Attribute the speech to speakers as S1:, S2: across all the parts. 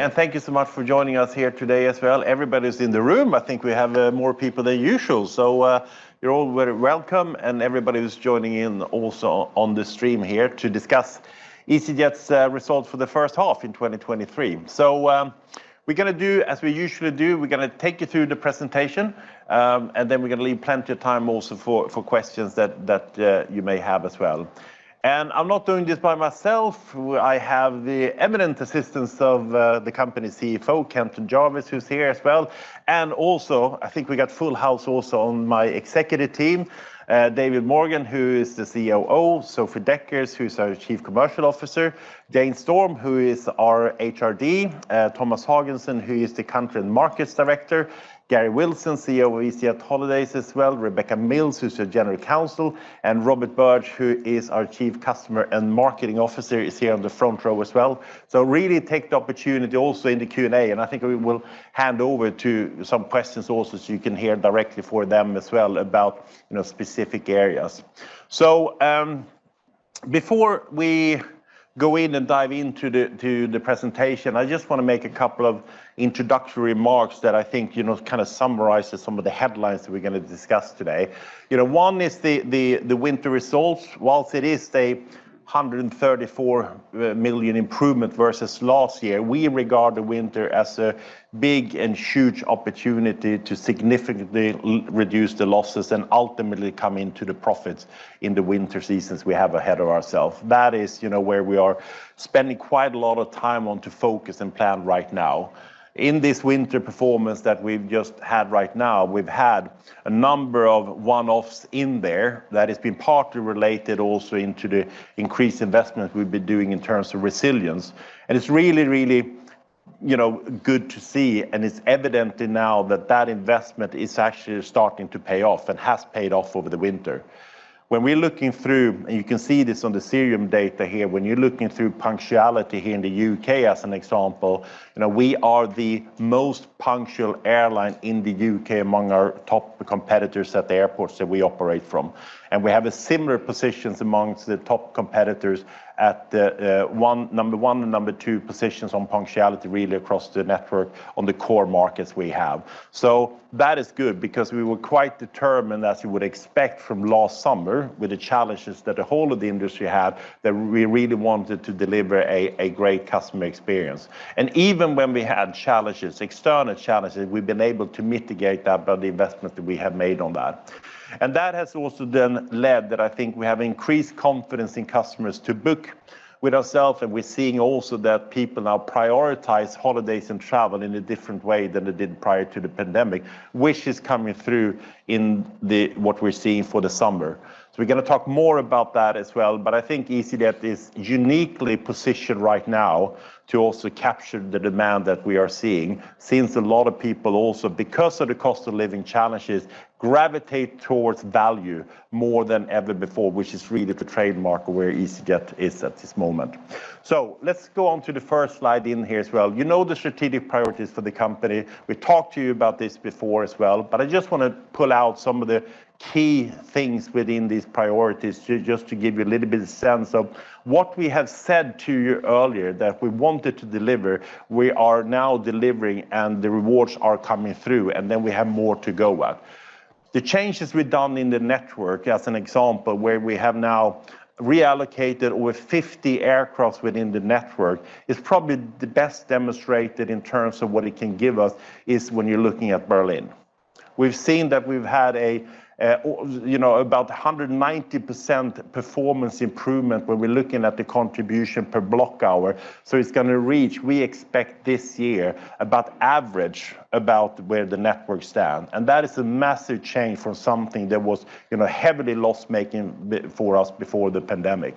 S1: Thank you so much for joining us here today as well. Everybody's in the room. I think we have more people than usual. You're all very welcome and everybody who's joining in also on the stream here to discuss easyJet's results for the first half in 2023. We're gonna do as we usually do, we're gonna take you through the presentation, and then we're gonna leave plenty of time also for questions that you may have as well. I'm not doing this by myself. I have the eminent assistance of the company's CFO, Kenton Jarvis, who's here as well. Also, I think we got full house also on my executive team, David Morgan, who is the COO, Sophie Dekkers, who's our Chief Commercial Officer, Jane Storm, who is our HRD, Thomas Haagensen, who is the Country and Markets Director, Garry Wilson, CEO of easyJet holidays as well, Rebecca Mills, who's the General Counsel, and Robert Birge, who is our Chief Customer and Marketing Officer, is here on the front row as well. Really take the opportunity also in the Q&A, and I think we will hand over to some questions also, so you can hear directly for them as well about, you know, specific areas. Before we go in and dive into the presentation, I just wanna make a couple of introductory remarks that I think, you know, kind of summarizes some of the headlines that we're gonna discuss today. You know, one is the winter results. Whilst it is 134 million improvement versus last year, we regard the winter as a big and huge opportunity to significantly reduce the losses and ultimately come into the profits in the winter seasons we have ahead of ourself. That is, you know, where we are spending quite a lot of time on to focus and plan right now. In this winter performance that we've just had right now, we've had a number of one-offs in there that has been partly related also into the increased investment we've been doing in terms of resilience. It's really, really, you know, good to see, and it's evident in now that that investment is actually starting to pay off and has paid off over the winter. We're looking through, and you can see this on the Cirium data here, when you're looking through punctuality here in the UK as an example, you know, we are the most punctual airline in the UK among our top competitors at the airports that we operate from. We have a similar positions amongst the top competitors at the number one and number two positions on punctuality really across the network on the core markets we have. That is good because we were quite determined, as you would expect from last summer, with the challenges that the whole of the industry had, that we really wanted to deliver a great customer experience. Even when we had challenges, external challenges, we've been able to mitigate that by the investment that we have made on that. That has also then led that I think we have increased confidence in customers to book with ourselves, and we're seeing also that people now prioritize holidays and travel in a different way than they did prior to the pandemic, which is coming through in the, what we're seeing for the summer. We're gonna talk more about that as well, but I think easyJet is uniquely positioned right now to also capture the demand that we are seeing since a lot of people also, because of the cost of living challenges, gravitate towards value more than ever before, which is really the trademark of where easyJet is at this moment. Let's go on to the first slide in here as well. You know the strategic priorities for the company. We talked to you about this before as well, but I just wanna pull out some of the key things within these priorities just to give you a little bit of sense of what we have said to you earlier that we wanted to deliver, we are now delivering, and the rewards are coming through, and then we have more to go at. The changes we've done in the network, as an example, where we have now reallocated over 50 aircraft within the network, is probably the best demonstrated in terms of what it can give us is when you're looking at Berlin. We've seen that we've had a, you know, about 190% performance improvement when we're looking at the contribution per block hour. It's gonna reach, we expect this year, about average about where the network stand. That is a massive change from something that was, you know, heavily loss-making for us before the pandemic.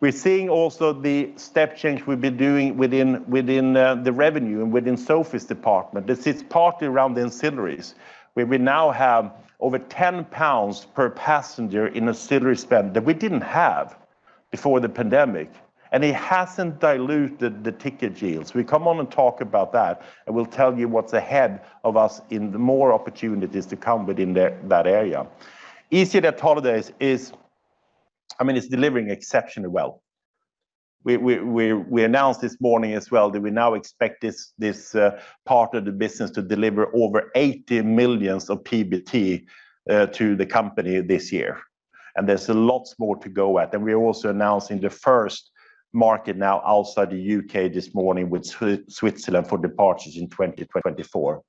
S1: We're seeing also the step change we've been doing within the revenue and within Sophie's department. This is partly around the ancillaries, where we now have over 10 pounds per passenger in ancillary spend that we didn't have before the pandemic, and it hasn't diluted the ticket yields. We come on and talk about that, and we'll tell you what's ahead of us in the more opportunities to come within that area. easyJet holidays is, I mean, it's delivering exceptionally well. We announced this morning as well that we now expect this part of the business to deliver over 80 million of PBT to the company this year. There's lots more to go at. We're also announcing the first market now outside the UK this morning with Switzerland for departures in 2024.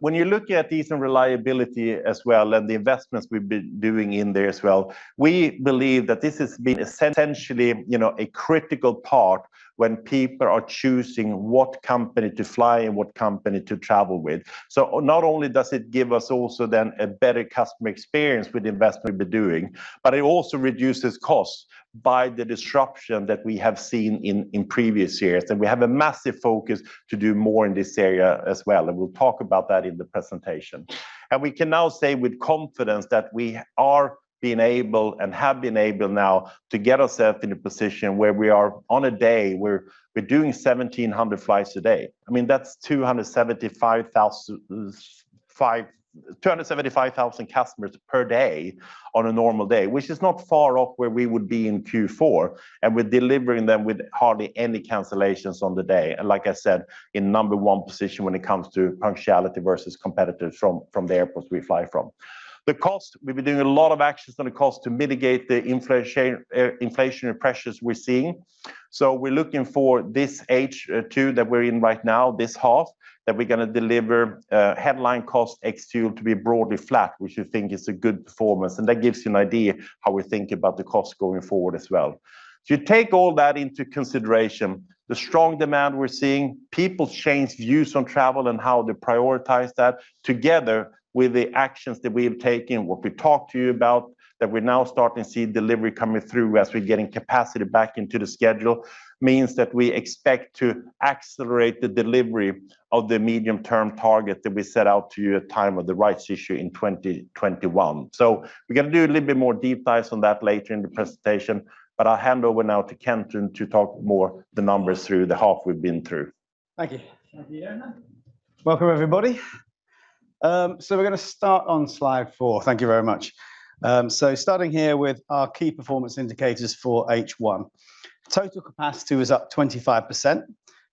S1: When you look at ease and reliability as well, and the investments we've been doing in there as well, we believe that this has been essentially, you know, a critical part when people are choosing what company to fly and what company to travel with. Not only does it give us also then a better customer experience with the investment we've been doing, but it also reduces costs by the disruption that we have seen in previous years. We have a massive focus to do more in this area as well, and we'll talk about that in the presentation. We can now say with confidence that we are being able and have been able now to get ourselves in a position where we're doing 1,700 flights a day. I mean, that's 275,000 customers per day on a normal day, which is not far off where we would be in Q4, and we're delivering them with hardly any cancellations on the day. Like I said, in number 1 position when it comes to punctuality versus competitors from the airports we fly from. The cost, we've been doing a lot of actions on the cost to mitigate the inflation, inflationary pressures we're seeing. We're looking for this H2 that we're in right now, this half, that we're going to deliver headline cost ex-fuel to be broadly flat, which we think is a good performance, and that gives you an idea how we're thinking about the cost going forward as well. If you take all that into consideration, the strong demand we're seeing, people's changed views on travel and how they prioritize that together with the actions that we have taken, what we talked to you about, that we're now starting to see delivery coming through as we're getting capacity back into the schedule, means that we expect to accelerate the delivery of the medium-term target that we set out to you at time of the rights issue in 2021. We're going to do a little bit more deep dives on that later in the presentation, but I'll hand over now to Kenton to talk more the numbers through the half we've been through.
S2: Thank you.
S1: Thank you.
S2: Welcome, everybody. We're gonna start on slide four. Thank you very much. Starting here with our key performance indicators for H1. Total capacity was up 25%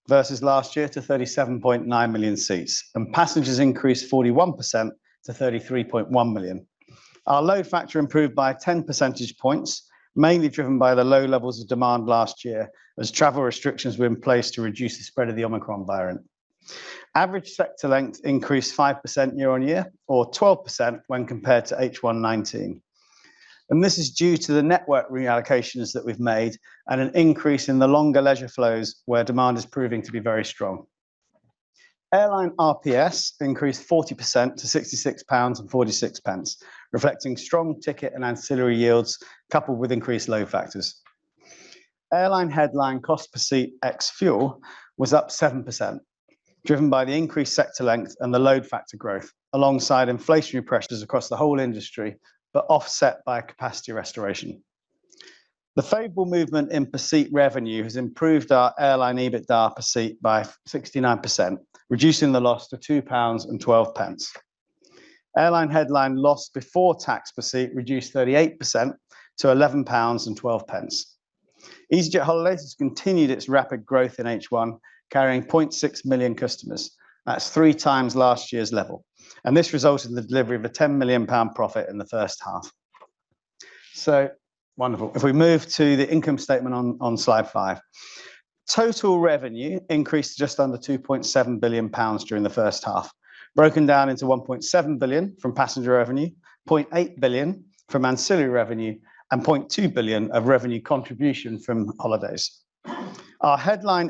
S2: versus last year to 37.9 million seats, and passengers increased 41% to 33.1 million. Our load factor improved by 10 percentage points, mainly driven by the low levels of demand last year as travel restrictions were in place to reduce the spread of the Omicron variant. Average sector length increased 5% year-on-year or 12% when compared to H1 2019. This is due to the network reallocations that we've made and an increase in the longer leisure flows where demand is proving to be very strong. Airline RPS increased 40% to 66.46 pounds, reflecting strong ticket and ancillary yields coupled with increased load factors. Airline headline cost per seat ex-fuel was up 7%, driven by the increased sector length and the load factor growth alongside inflationary pressures across the whole industry, offset by capacity restoration. The favorable movement in per seat revenue has improved our airline EBITDA per seat by 69%, reducing the loss to 2.12 pounds. Airline headline loss before tax per seat reduced 38% to 11.12 pounds. easyJet holidays has continued its rapid growth in H1, carrying 0.6 million customers. That's three times last year's level. This resulted in the delivery of a 10 million pound profit in the first half. Wonderful. If we move to the income statement on slide 5. Total revenue increased to just under 2.7 billion pounds during the first half, broken down into 1.7 billion from passenger revenue, 0.8 billion from ancillary revenue, and 0.2 billion of revenue contribution from holidays. Our headline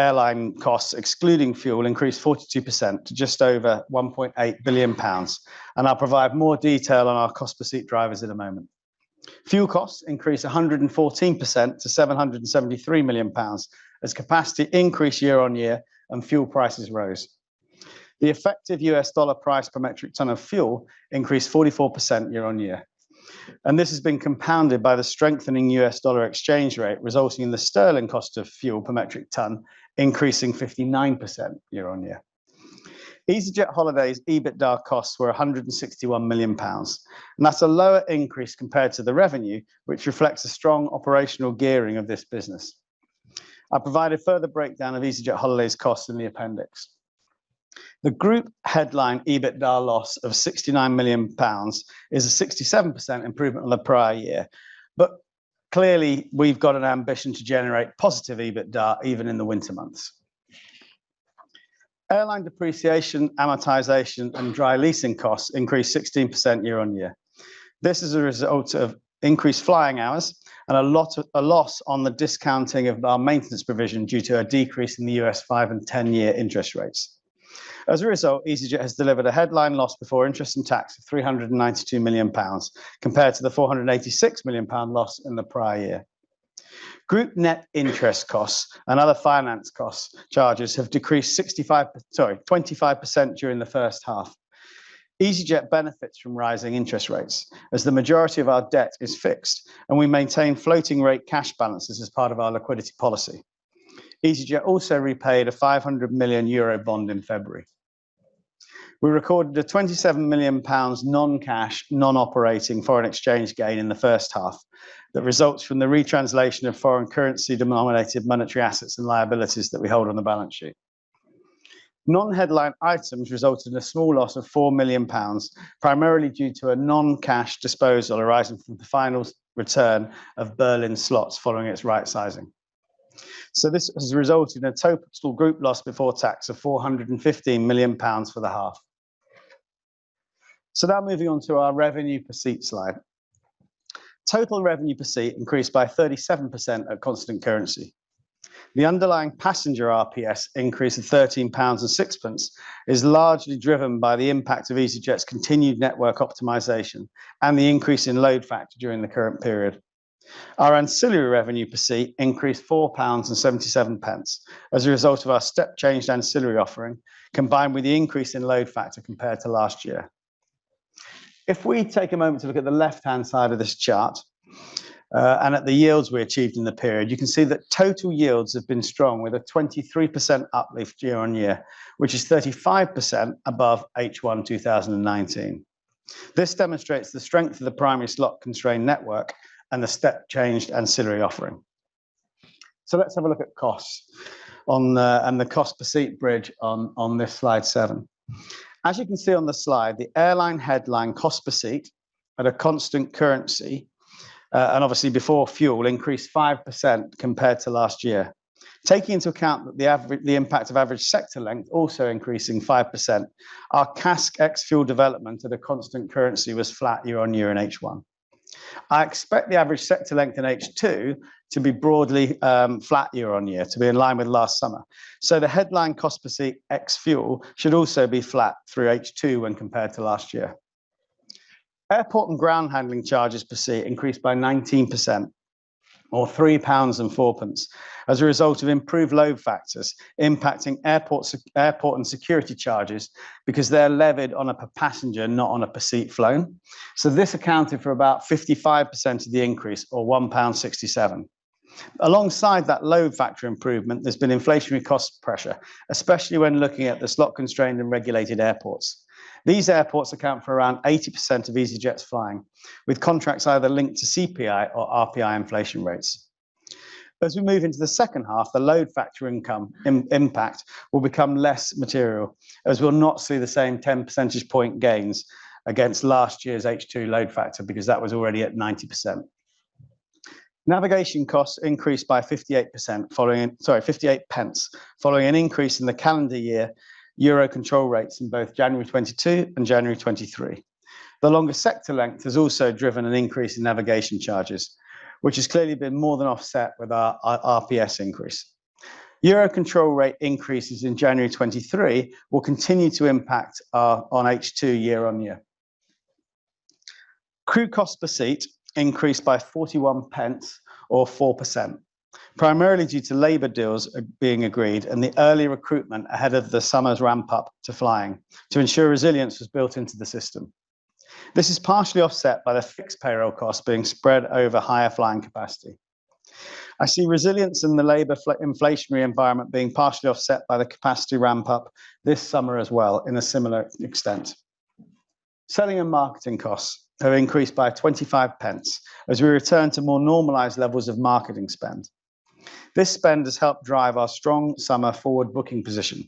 S2: EBITDA airline costs, excluding fuel, increased 42% to just over 1.8 billion pounds. I'll provide more detail on our cost per seat drivers in a moment. Fuel costs increased 114% to 773 million pounds as capacity increased year-on-year and fuel prices rose. The effective US dollar price per metric ton of fuel increased 44% year-on-year. This has been compounded by the strengthening US dollar exchange rate, resulting in the sterling cost of fuel per metric ton increasing 59% year-on-year. easyJet holidays EBITDA costs were 161 million pounds, and that's a lower increase compared to the revenue, which reflects a strong operational gearing of this business. I provide a further breakdown of easyJet holidays costs in the appendix. The group headline EBITDA loss of 69 million pounds is a 67% improvement on the prior year. Clearly, we've got an ambition to generate positive EBITDA even in the winter months. Airline depreciation, amortization, and dry leasing costs increased 16% year-on-year. This is a result of increased flying hours and a loss on the discounting of our maintenance provision due to a decrease in the U.S. five- and ten-year interest rates. As a result, easyJet has delivered a headline loss before interest and tax of 392 million pounds, compared to the 486 million pound loss in the prior year. Group net interest costs and other finance costs charges have decreased sorry, 25% during the first half. easyJet benefits from rising interest rates as the majority of our debt is fixed, and we maintain floating rate cash balances as part of our liquidity policy. easyJet also repaid a 500 million euro bond in February. We recorded a 27 million pounds non-cash, non-operating foreign exchange gain in the first half that results from the retranslation of foreign currency-denominated monetary assets and liabilities that we hold on the balance sheet. Non-headline items resulted in a small loss of 4 million pounds, primarily due to a non-cash disposal arising from the final return of Berlin slots following its right-sizing. This has resulted in a total group loss before tax of 415 million pounds for the half. Now moving on to our revenue per seat slide. Total revenue per seat increased by 37% at constant currency. The underlying passenger RPS increase of 13.06 pounds is largely driven by the impact of easyJet's continued network optimization and the increase in load factor during the current period. Our ancillary revenue per seat increased 4.77 pounds as a result of our step change ancillary offering, combined with the increase in load factor compared to last year. If we take a moment to look at the left-hand side of this chart, and at the yields we achieved in the period, you can see that total yields have been strong with a 23% uplift year-on-year, which is 35% above H1 2019. This demonstrates the strength of the primary slot-constrained network and the step-changed ancillary offering. Let's have a look at costs and the cost per seat bridge on this slide 7. As you can see on the slide, the airline headline cost per seat at a constant currency, and obviously before fuel increased 5% compared to last year. Taking into account the impact of average sector length also increasing 5%, our CASK ex-fuel development at a constant currency was flat year-over-year in H1. I expect the average sector length in H2 to be broadly flat year-over-year to be in line with last summer. The headline cost per seat ex-fuel should also be flat through H2 when compared to last year. Airport and ground handling charges per seat increased by 19% or 3.04 pounds as a result of improved load factors impacting airport and security charges because they're levered on a per passenger, not on a per seat flown. This accounted for about 55% of the increase or 1.67 pound. Alongside that load factor improvement, there's been inflationary cost pressure, especially when looking at the slot-constrained and regulated airports. These airports account for around 80% of easyJet's flying, with contracts either linked to CPI or RPI inflation rates. As we move into the second half, the load factor income impact will become less material, as we'll not see the same 10 percentage point gains against last year's H2 load factor because that was already at 90%. Navigation costs increased by, sorry, 58 pence following an increase in the calendar year EUROCONTROL rates in both January 2022 and January 2023. The longer sector length has also driven an increase in navigation charges, which has clearly been more than offset with our RPS increase. EUROCONTROL rate increases in January 2023 will continue to impact on H2 year-on-year. Crew cost per seat increased by 0.41 or 4%, primarily due to labor deals being agreed and the early recruitment ahead of the summer's ramp-up to flying to ensure resilience was built into the system. This is partially offset by the fixed payroll costs being spread over higher flying capacity. I see resilience in the labor inflationary environment being partially offset by the capacity ramp up this summer as well in a similar extent. Selling and marketing costs have increased by 0.25 as we return to more normalized levels of marketing spend. This spend has helped drive our strong summer forward booking position,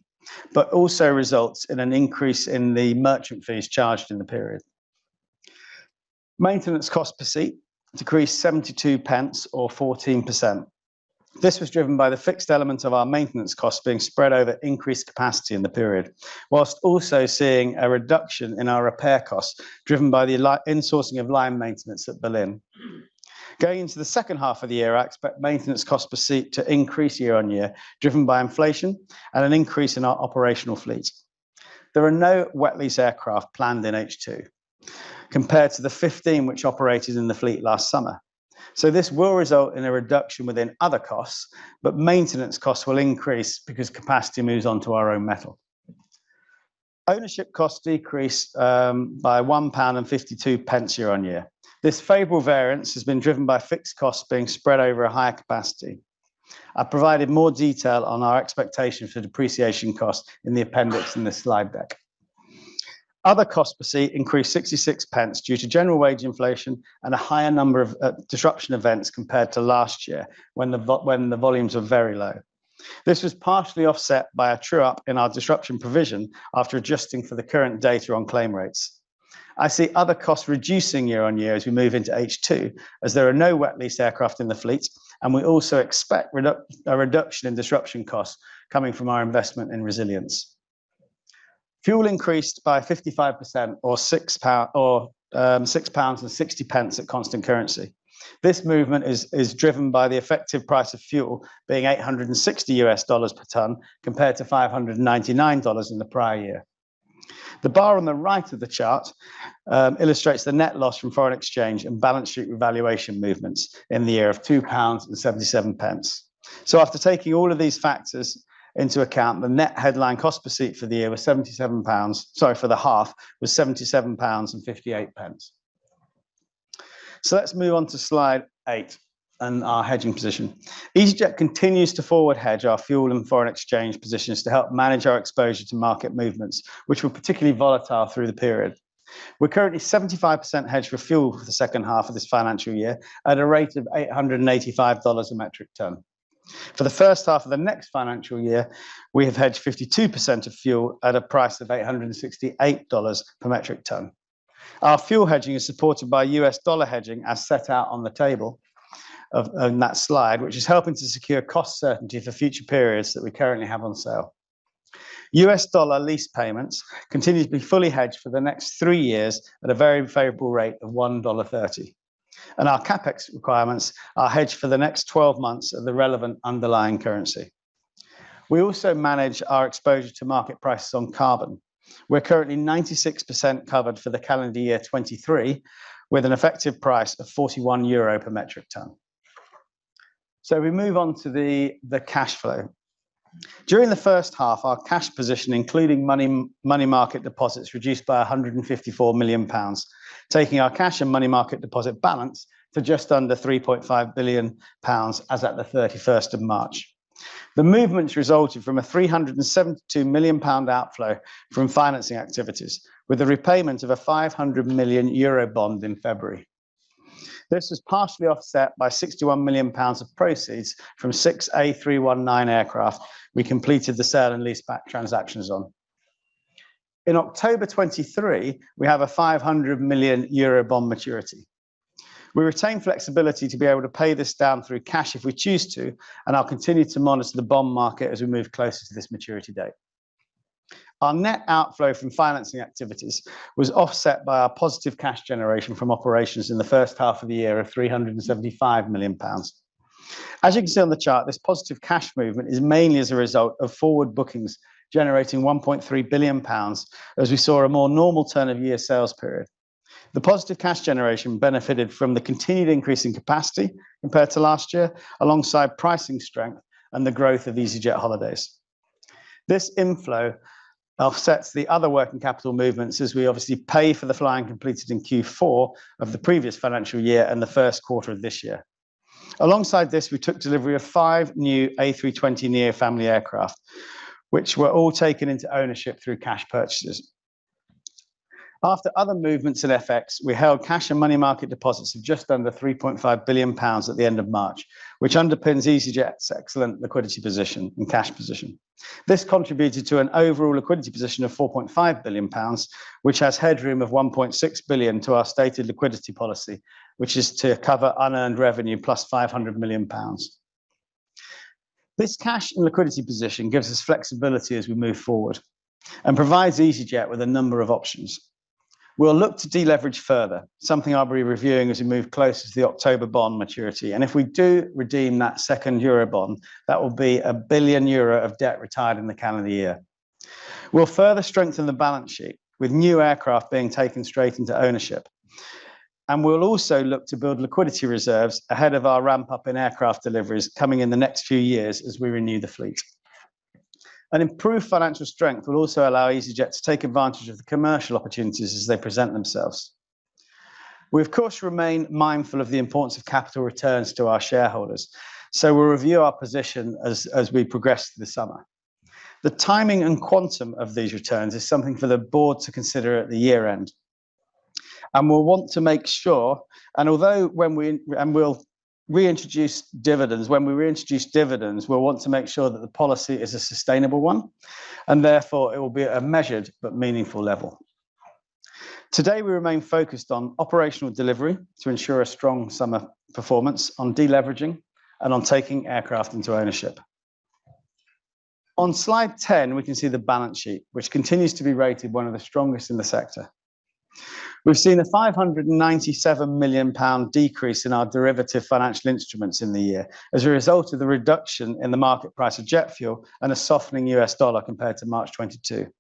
S2: but also results in an increase in the merchant fees charged in the period. Maintenance cost per seat decreased 0.72 or 14%. This was driven by the fixed elements of our maintenance costs being spread over increased capacity in the period, whilst also seeing a reduction in our repair costs, driven by the insourcing of line maintenance at Berlin. Going into the second half of the year, I expect maintenance cost per seat to increase year-on-year, driven by inflation and an increase in our operational fleet. There are no wet lease aircraft planned in H2, compared to the 15 which operated in the fleet last summer. This will result in a reduction within other costs, but maintenance costs will increase because capacity moves onto our own metal. Ownership costs decreased by 1.52 pound year-on-year. This favorable variance has been driven by fixed costs being spread over a higher capacity. I provided more detail on our expectation for depreciation costs in the appendix in this slide deck. Other cost per seat increased 0.66 due to general wage inflation and a higher number of disruption events compared to last year when the volumes were very low. This was partially offset by a true-up in our disruption provision after adjusting for the current data on claim rates. I see other costs reducing year-on-year as we move into H2, as there are no wet lease aircraft in the fleet, and we also expect a reduction in disruption costs coming from our investment in resilience. Fuel increased by 55% or 6.60 pounds at constant currency. This movement is driven by the effective price of fuel being $860 per ton, compared to $599 in the prior year. The bar on the right of the chart illustrates the net loss from foreign exchange and balance sheet valuation movements in the year of 2.77 pounds. After taking all of these factors into account, the net headline cost per seat for the year was 77 pounds. Sorry, for the half was 77.58 pounds. Let's move on to slide 8 and our hedging position. easyJet continues to forward hedge our fuel and foreign exchange positions to help manage our exposure to market movements, which were particularly volatile through the period. We're currently 75% hedged for fuel for the second half of this financial year at a rate of $885 a metric ton. For the first half of the next financial year, we have hedged 52% of fuel at a price of $868 per metric ton. Our fuel hedging is supported by US dollar hedging as set out on the table of that slide, which is helping to secure cost certainty for future periods that we currently have on sale. US dollar lease payments continue to be fully hedged for the next three years at a very favorable rate of $1.30. Our CapEx requirements are hedged for the next 12 months at the relevant underlying currency. We also manage our exposure to market prices on carbon. We're currently 96% covered for the calendar year 2023, with an effective price of 41 euro per metric ton. We move on to the cash flow. During the first half, our cash position, including money market deposits, reduced by 154 million pounds, taking our cash and money market deposit balance to just under 3.5 billion pounds as at the 31st of March. The movements resulted from a 372 million pound outflow from financing activities, with the repayment of a 500 million euro bond in February. This was partially offset by 61 million pounds of proceeds from six A319 aircraft we completed the sale and leaseback transactions on. In October 2023, we have a 500 million euro bond maturity. We retain flexibility to be able to pay this down through cash if we choose to, and I'll continue to monitor the bond market as we move closer to this maturity date. Our net outflow from financing activities was offset by our positive cash generation from operations in the first half of the year of 375 million pounds. As you can see on the chart, this positive cash movement is mainly as a result of forward bookings generating 1.3 billion pounds as we saw a more normal turn of year sales period. The positive cash generation benefited from the continued increase in capacity compared to last year, alongside pricing strength and the growth of easyJet holidays. This inflow offsets the other working capital movements as we obviously pay for the flying completed in Q4 of the previous financial year and the first quarter of this year. Alongside this, we took delivery of five new A320neo family aircraft, which were all taken into ownership through cash purchases. After other movements in FX, we held cash and money market deposits of just under 3.5 billion pounds at the end of March, which underpins easyJet's excellent liquidity position and cash position. This contributed to an overall liquidity position of 4.5 billion pounds, which has headroom of 1.6 billion to our stated liquidity policy, which is to cover unearned revenue plus 500 million pounds. This cash and liquidity position gives us flexibility as we move forward and provides easyJet with a number of options. We'll look to deleverage further, something I'll be reviewing as we move closer to the October bond maturity. If we do redeem that second euro bond, that will be 1 billion euro of debt retired in the calendar year. We'll further strengthen the balance sheet with new aircraft being taken straight into ownership. We'll also look to build liquidity reserves ahead of our ramp-up in aircraft deliveries coming in the next few years as we renew the fleet. An improved financial strength will also allow easyJet to take advantage of the commercial opportunities as they present themselves. We, of course, remain mindful of the importance of capital returns to our shareholders, so we'll review our position as we progress through the summer. The timing and quantum of these returns is something for the board to consider at the year-end. We'll want to make sure, and although when we reintroduce dividends, we'll want to make sure that the policy is a sustainable one, and therefore it will be a measured but meaningful level. Today, we remain focused on operational delivery to ensure a strong summer performance on deleveraging and on taking aircraft into ownership. On slide 10, we can see the balance sheet, which continues to be rated one of the strongest in the sector. We've seen a 597 million pound decrease in our derivative financial instruments in the year as a result of the reduction in the market price of jet fuel and a softening US dollar compared to March 2022.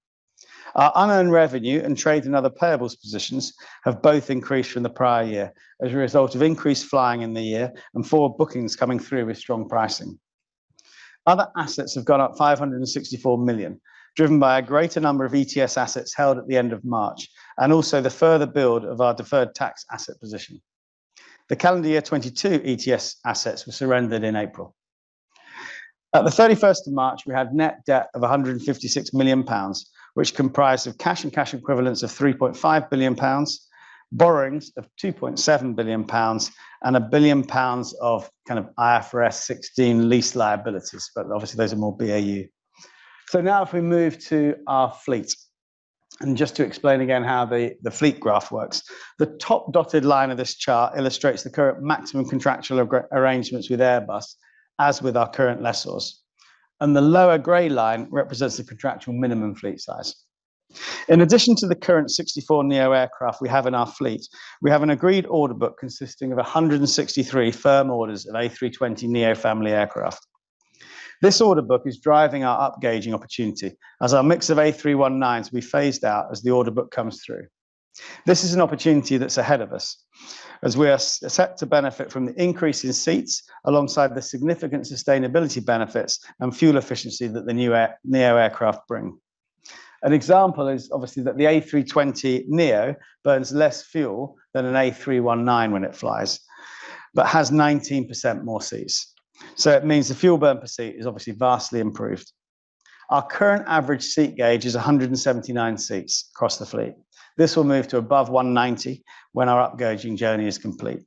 S2: Our unearned revenue and trade and other payables positions have both increased from the prior year as a result of increased flying in the year and forward bookings coming through with strong pricing. Other assets have gone up 564 million GBP, driven by a greater number of ETS assets held at the end of March and also the further build of our deferred tax asset position. The calendar year 2022 ETS assets were surrendered in April. At the 31st of March, we had net debt of 156 million pounds, which comprised of cash and cash equivalents of 3.5 billion pounds, borrowings of 2.7 billion pounds, and 1 billion pounds of kind of IFRS 16 lease liabilities, but obviously those are more BAU. Now if we move to our fleet, and just to explain again how the fleet graph works. The top dotted line of this chart illustrates the current maximum contractual arrangements with Airbus, as with our current lessors. The lower gray line represents the contractual minimum fleet size. In addition to the current 64 neo aircraft we have in our fleet, we have an agreed order book consisting of 163 firm orders of A320neo family aircraft. This order book is driving our upgauging opportunity as our mix of A319s will be phased out as the order book comes through. This is an opportunity that's ahead of us as we are set to benefit from the increase in seats alongside the significant sustainability benefits and fuel efficiency that the new neo aircraft bring. An example is obviously that the A320neo burns less fuel than an A319 when it flies but has 19% more seats. It means the fuel burn per seat is obviously vastly improved. Our current average seat gauge is 179 seats across the fleet. This will move to above 190 when our upgauging journey is complete.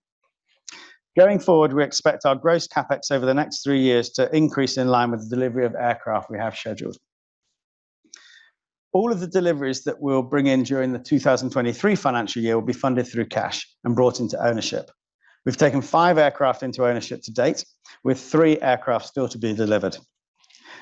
S2: Going forward, we expect our gross CapEx over the next three years to increase in line with the delivery of aircraft we have scheduled. All of the deliveries that we'll bring in during the 2023 financial year will be funded through cash and brought into ownership. We've taken 5 aircraft into ownership to date, with 3 aircraft still to be delivered.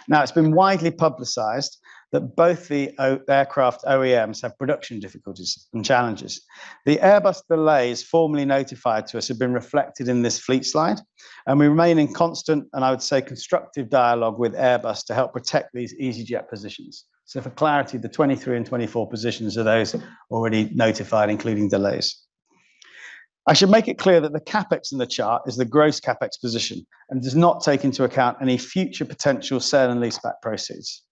S2: It's been widely publicized that both the aircraft OEMs have production difficulties and challenges. The Airbus delays formally notified to us have been reflected in this fleet slide, and we remain in constant, and I would say constructive dialogue with Airbus to help protect these easyJet positions. For clarity, the '23 and '24 positions are those already notified, including delays. I should make it clear that the CapEx in the chart is the gross CapEx position and does not take into account any future potential sale and leaseback proceeds.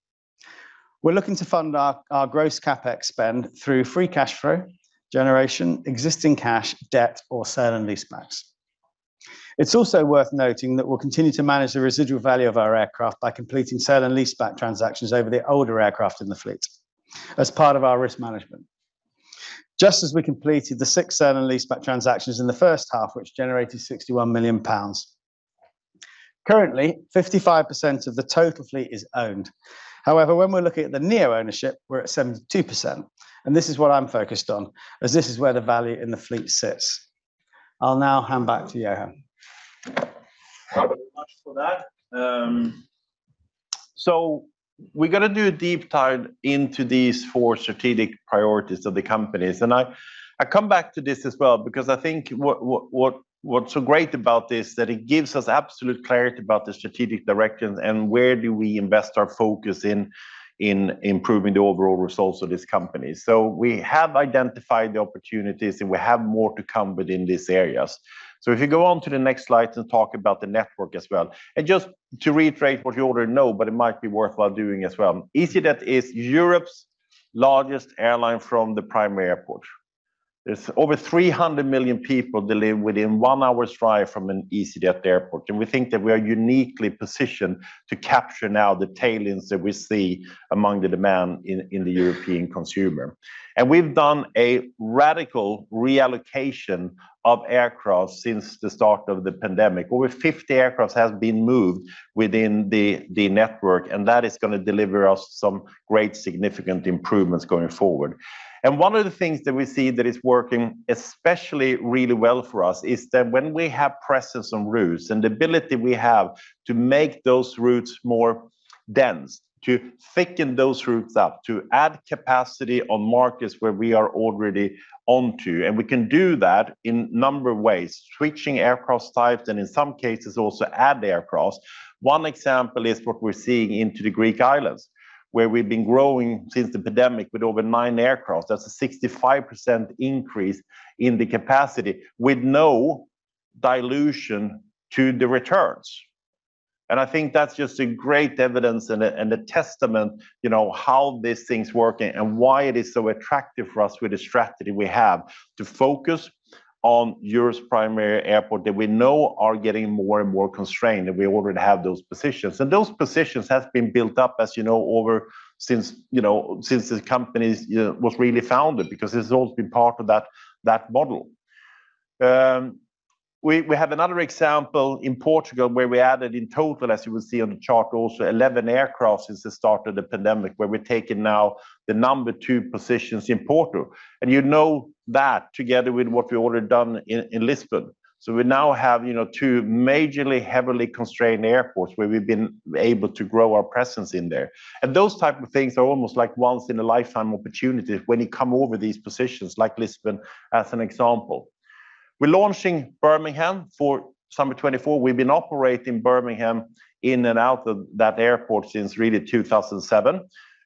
S2: We're looking to fund our gross CapEx spend through free cash flow generation, existing cash, debt, or sale and leasebacks. It's also worth noting that we'll continue to manage the residual value of our aircraft by completing sale and leaseback transactions over the older aircraft in the fleet as part of our risk management. Just as we completed the 6 sale and leaseback transactions in the first half, which generated 61 million pounds. Currently, 55% of the total fleet is owned. However, when we're looking at the neo-ownership, we're at 72%, and this is what I'm focused on, as this is where the value in the fleet sits. I'll now hand back to Johan.
S1: Thank you very much for that. We're gonna do a deep dive into these four strategic priorities of the companies. I come back to this as well because I think what's so great about this, that it gives us absolute clarity about the strategic directions and where do we invest our focus in improving the overall results of this company. We have identified the opportunities, and we have more to come within these areas. If you go on to the next slide to talk about the network as well. Just to reiterate what you already know, but it might be worthwhile doing as well. easyJet is Europe's largest airline from the primary airport. There's over 300 million people that live within 1 hour's drive from an easyJet airport. We think that we are uniquely positioned to capture now the tailwinds that we see among the demand in the European consumer. We've done a radical reallocation of aircraft since the start of the pandemic. Over 50 aircraft has been moved within the network. That is gonna deliver us some great significant improvements going forward. One of the things that we see that is working especially really well for us is that when we have presence on routes and the ability we have to make those routes more dense, to thicken those routes up, to add capacity on markets where we are already onto. We can do that in a number of ways, switching aircraft types and in some cases also add aircraft. One example is what we're seeing into the Greek islands, where we've been growing since the pandemic with over 9 aircraft. That's a 65% increase in the capacity with no dilution to the returns. I think that's just a great evidence and a testament, you know, how this thing's working and why it is so attractive for us with the strategy we have to focus on Europe's primary airport that we know are getting more and more constrained, and we already have those positions. Those positions have been built up, as you know, over since, you know, this company's, you know, was really founded, because this has always been part of that model. We have another example in Portugal, where we added in total, as you will see on the chart also, 11 aircraft since the start of the pandemic, where we're taking now the number 2 positions in Porto. You know that together with what we've already done in Lisbon. We now have, you know, two majorly heavily constrained airports where we've been able to grow our presence in there. Those type of things are almost like once in a lifetime opportunity when you come over these positions, like Lisbon as an example. We're launching Birmingham for summer 2024. We've been operating Birmingham in and out of that airport since really 2007.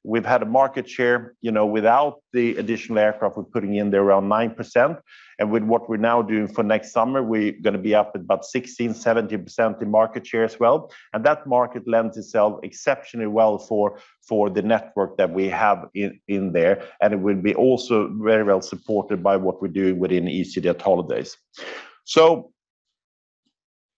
S1: We've had a market share, you know, without the additional aircraft we're putting in there, around 9%. With what we're now doing for next summer, we're gonna be up at about 16%-17% in market share as well. That market lends itself exceptionally well for the network that we have in there. It will be also very well supported by what we're doing within easyJet holidays.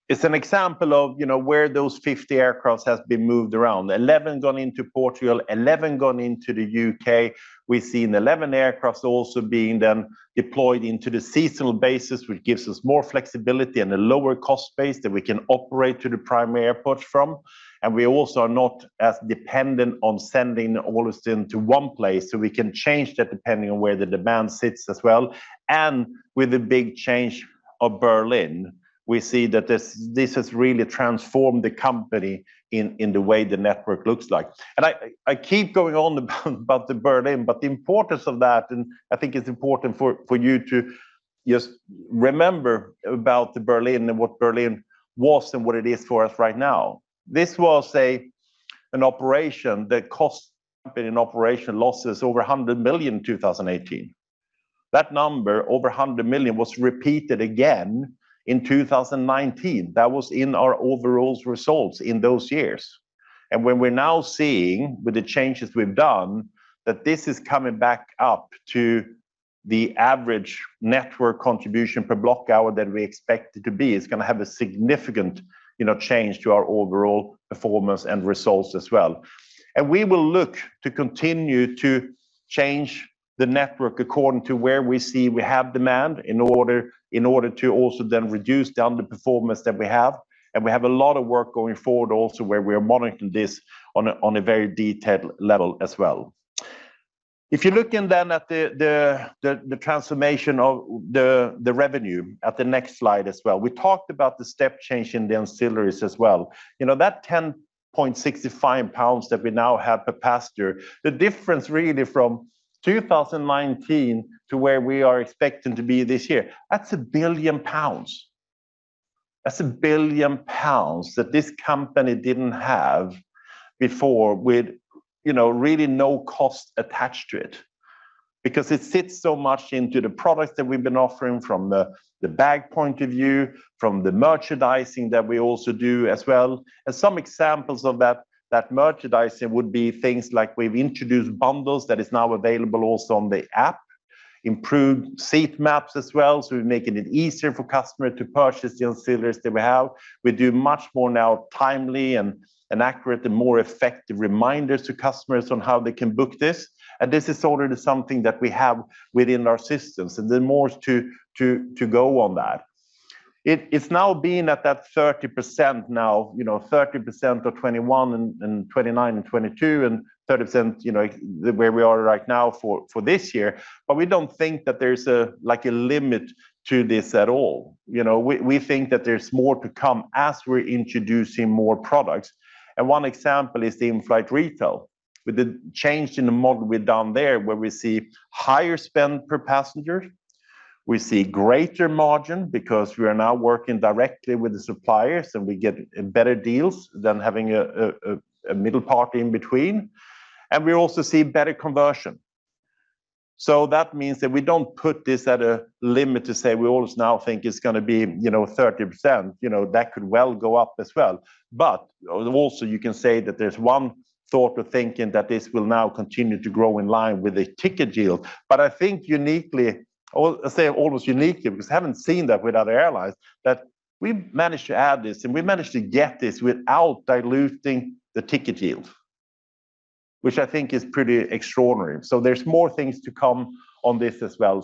S1: It's an example of, you know, where those 50 aircraft has been moved around. 11 gone into Portugal, 11 gone into the U.K. We've seen 11 aircraft also being then deployed into the seasonal basis, which gives us more flexibility and a lower cost base that we can operate to the primary airport from. We also are not as dependent on sending all of this into one place, so we can change that depending on where the demand sits as well. With the big change of Berlin, we see that this has really transformed the company in the way the network looks like. I keep going on about the Berlin, the importance of that, I think it's important for you to just remember about Berlin and what Berlin was and what it is for us right now. This was an operation that cost company in operation losses over 100 million in 2018. That number, over 100 million, was repeated again in 2019. That was in our overall results in those years. When we're now seeing, with the changes we've done, that this is coming back up to the average network contribution per block hour that we expect it to be, it's gonna have a significant, you know, change to our overall performance and results as well. We will look to continue to change the network according to where we see we have demand in order to also then reduce down the performance that we have. We have a lot of work going forward also where we are monitoring this on a very detailed level as well. If you're looking at the transformation of the revenue at the next slide as well. We talked about the step change in the ancillaries as well. You know, that 10.65 pounds that we now have per passenger, the difference really from 2019 to where we are expecting to be this year, that's 1 billion pounds. That's 1 billion pounds that this company didn't have before with, you know, really no cost attached to it because it fits so much into the products that we've been offering from the bag point of view, from the merchandising that we also do as well. Some examples of that merchandising would be things like we've introduced bundles that is now available also on the app, improved seat maps as well, so we're making it easier for customer to purchase the on seaters that we have. We do much more now timely and accurate and more effective reminders to customers on how they can book this. This is already something that we have within our systems, and there's more to go on that. It's now been at that 30% now, you know, 30% of 2021 and 29% of 2022, and 30%, you know, where we are right now for this year. We don't think that there's like a limit to this at all. You know, we think that there's more to come as we're introducing more products. One example is the in-flight retail. With the change in the model we've done there, where we see higher spend per passenger, we see greater margin because we are now working directly with the suppliers, and we get better deals than having a middle party in between, and we also see better conversion. That means that we don't put this at a limit to say we always now think it's gonna be, you know, 30%. You know, that could well go up as well. Also you can say that there's one sort of thinking that this will now continue to grow in line with the ticket yield. I think uniquely, almost uniquely, because I haven't seen that with other airlines, that we managed to add this, and we managed to get this without diluting the ticket yield, which I think is pretty extraordinary. There's more things to come on this as well.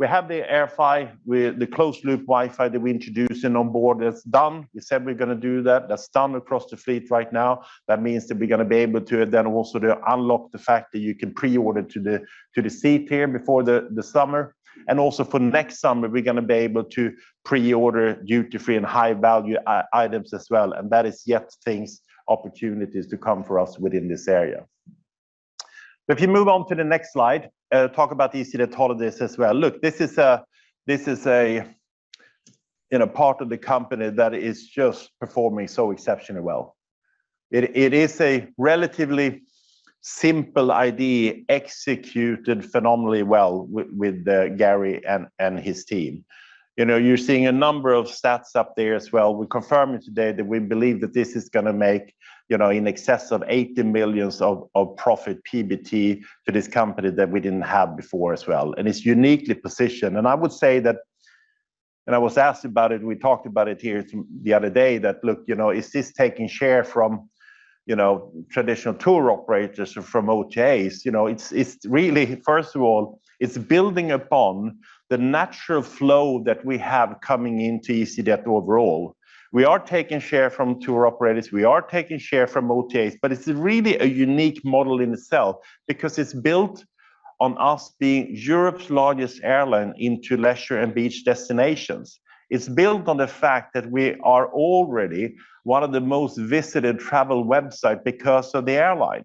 S1: We have the AirFi with the closed loop Wi-Fi that we introduced, and on board that's done. We said we're gonna do that. That's done across the fleet right now. That means that we're gonna be able to then also to unlock the fact that you can pre-order to the seat here before the summer. Also for next summer, we're gonna be able to pre-order duty-free and high-value items as well, and that is yet things, opportunities to come for us within this area. If you move on to the next slide, talk about easyJet holidays as well. Look, this is a, you know, part of the company that is just performing so exceptionally well. It is a relatively simple idea executed phenomenally well with Garry and his team. You know, you're seeing a number of stats up there as well. We're confirming today that we believe that this is gonna make, you know, in excess of 80 million of profit PBT to this company that we didn't have before as well. It's uniquely positioned. I would say that, and I was asked about it, we talked about it here the other day, that look, you know, is this taking share from, you know, traditional tour operators or from OTAs? You know, it's really, first of all, it's building upon the natural flow that we have coming into easyJet overall. We are taking share from tour operators. We are taking share from OTAs. It's really a unique model in itself because it's built on us being Europe's largest airline into leisure and beach destinations. It's built on the fact that we are already one of the most visited travel website because of the airline.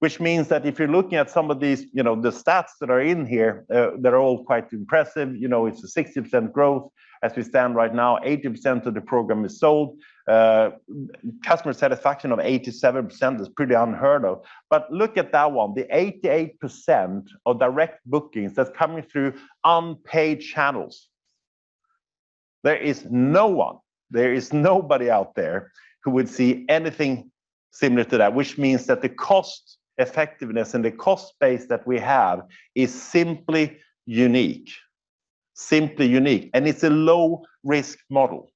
S1: Which means that if you're looking at some of these, you know, the stats that are in here, they're all quite impressive. You know, it's a 60% growth. As we stand right now, 80% of the program is sold. Customer satisfaction of 87% is pretty unheard of. Look at that one, the 88% of direct bookings that's coming through unpaid channels. There is no one, there is nobody out there who would see anything similar to that, which means that the cost effectiveness and the cost base that we have is simply unique. Simply unique. It's a low-risk model.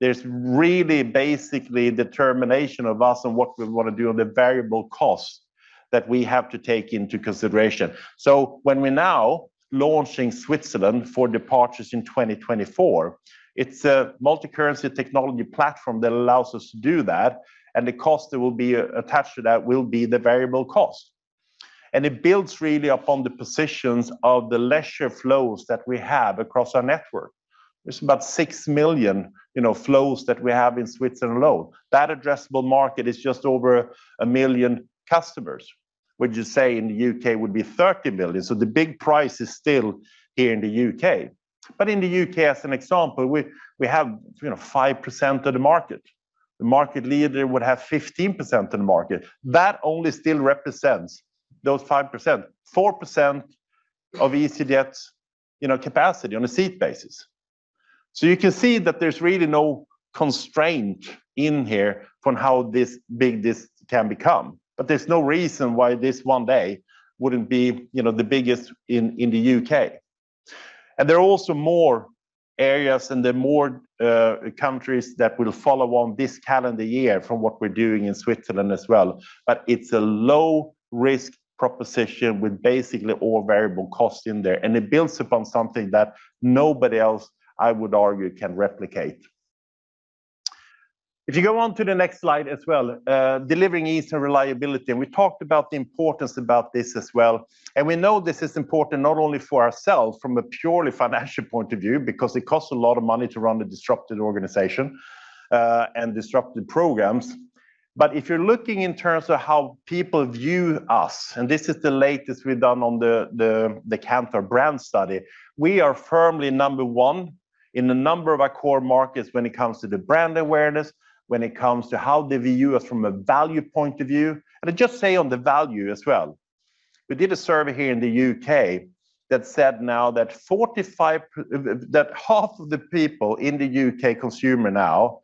S1: There's really basically determination of us and what we want to do on the variable cost that we have to take into consideration. When we're now launching Switzerland for departures in 2024, it's a multicurrency technology platform that allows us to do that, and the cost that will be attached to that will be the variable cost. It builds really upon the positions of the leisure flows that we have across our network. There's about 6 million, you know, flows that we have in Switzerland alone. That addressable market is just over 1 million customers. Which you say in the UK would be 30 million, so the big price is still here in the UK. In the UK, as an example, we have, you know, 5% of the market. The market leader would have 15% of the market. That only still represents those 5%, 4% of easyJet's, you know, capacity on a seat basis. You can see that there's really no constraint in here on how this big this can become. There's no reason why this one day wouldn't be, you know, the biggest in the UK. There are also more areas, and there are more countries that will follow on this calendar year from what we're doing in Switzerland as well. It's a low-risk proposition with basically all variable costs in there, and it builds upon something that nobody else, I would argue, can replicate. If you go on to the next slide as well, delivering ease and reliability, and we talked about the importance about this as well. We know this is important not only for ourselves from a purely financial point of view, because it costs a lot of money to run a disrupted organization and disrupted programs. If you're looking in terms of how people view us, and this is the latest we've done on the Kantar brand study, we are firmly number one in a number of our core markets when it comes to the brand awareness, when it comes to how they view us from a value point of view. I'd just say on the value as well, we did a survey here in the UK that said now that half of the people in the UK consumer now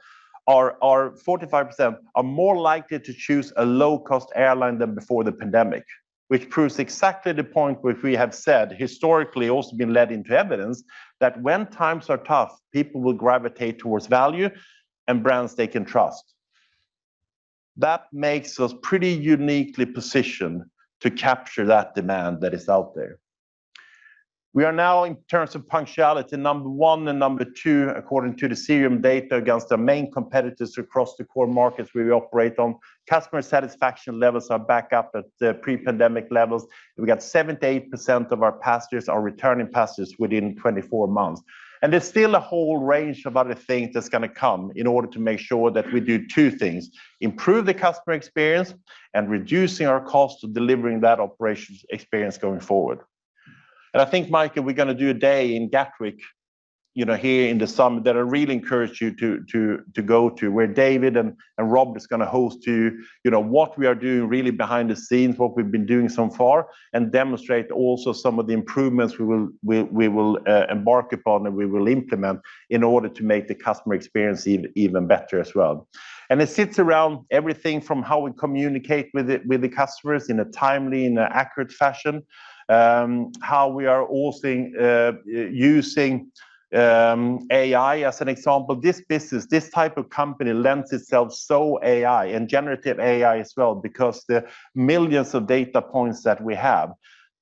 S1: are 45% more likely to choose a low-cost airline than before the pandemic. Which proves exactly the point which we have said historically also been led into evidence that when times are tough, people will gravitate towards value and brands they can trust. That makes us pretty uniquely positioned to capture that demand that is out there. We are now, in terms of punctuality, number one and number two according to the Cirium data against our main competitors across the core markets we operate on. Customer satisfaction levels are back up at pre-pandemic levels. We got 78% of our passengers are returning passengers within 24 months. There's still a whole range of other things that's going to come in order to make sure that we do 2 things: improve the customer experience and reducing our cost of delivering that operations experience going forward. I think, Mike, we're going to do a day in Gatwick, you know, here in the summer that I really encourage you to go to, where David and Rob is going to host you. You know what we are doing really behind the scenes, what we've been doing so far, and demonstrate also some of the improvements we will embark upon and we will implement in order to make the customer experience even better as well. It sits around everything from how we communicate with the customers in a timely and accurate fashion, how we are also using AI as an example. This business, this type of company lends itself so AI and generative AI as well because the millions of data points that we have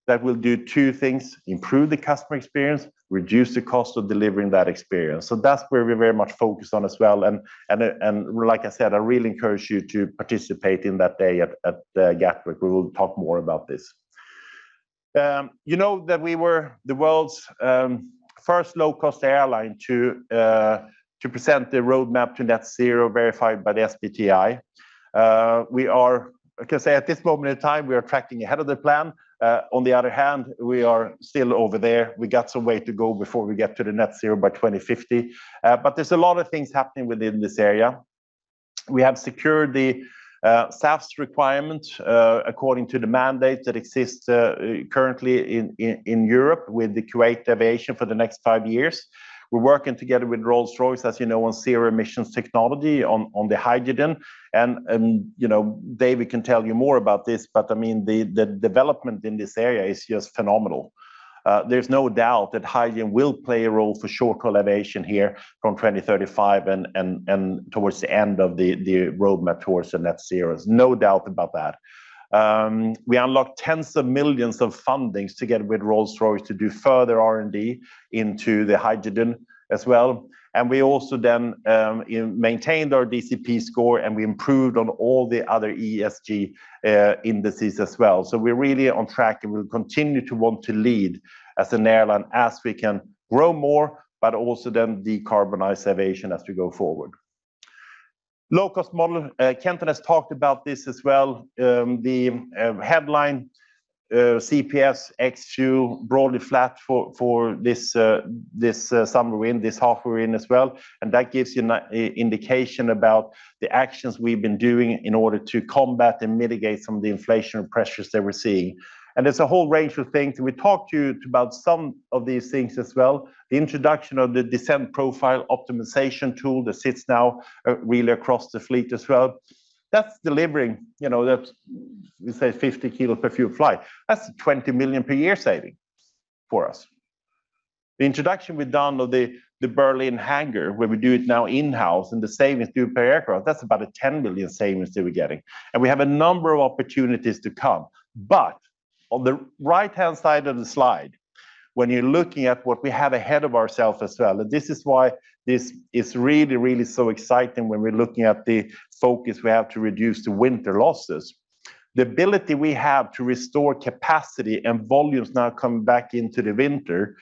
S1: that will do 2 things: improve the customer experience, reduce the cost of delivering that experience. That's where we're very much focused on as well. Like I said, I really encourage you to participate in that day at Gatwick. We will talk more about this. You know that we were the world's first low-cost airline to present the roadmap to net zero verified by the SBTi. We are, like I say, at this moment in time, we are tracking ahead of the plan. On the other hand, we are still over there. We got some way to go before we get to the net zero by 2050. There's a lot of things happening within this area. We have secured the SAF's requirement according to the mandate that exists currently in Europe with the Kuwait Aviation for the next 5 years. We're working together with Rolls-Royce, as you know, on zero emissions technology on the hydrogen. You know, David Morgan can tell you more about this, but I mean, the development in this area is just phenomenal. There's no doubt that hydrogen will play a role for short-haul aviation here from 2035 and towards the end of the roadmap towards the net zero. No doubt about that. We unlocked tens of millions of fundings together with Rolls-Royce to do further R&D into the hydrogen as well. We also maintained our DCP score, and we improved on all the other ESG indices as well. We're really on track, and we'll continue to want to lead as an airline as we can grow more, but also decarbonize aviation as we go forward. Low-cost model, Kenton Jarvis has talked about this as well. The headline CPS ex-fuel broadly flat for this summer we're in, this half we're in as well. That gives you an indication about the actions we've been doing in order to combat and mitigate some of the inflationary pressures that we're seeing. There's a whole range of things. We talked to you about some of these things as well. The introduction of the Descent Profile Optimisation tool that sits now really across the fleet as well. That's delivering, you know, that's we say 50 kilos per fuel flight. That's a 20 million per year saving for us. The introduction with Donald, the Berlin hangar, where we do it now in-house, and the savings due per aircraft, that's about a 10 million savings that we're getting. We have a number of opportunities to come. On the right-hand side of the slide, when you're looking at what we have ahead of ourselves as well, and this is why this is really so exciting when we're looking at the focus we have to reduce the winter losses. The ability we have to restore capacity and volumes now coming back into the winter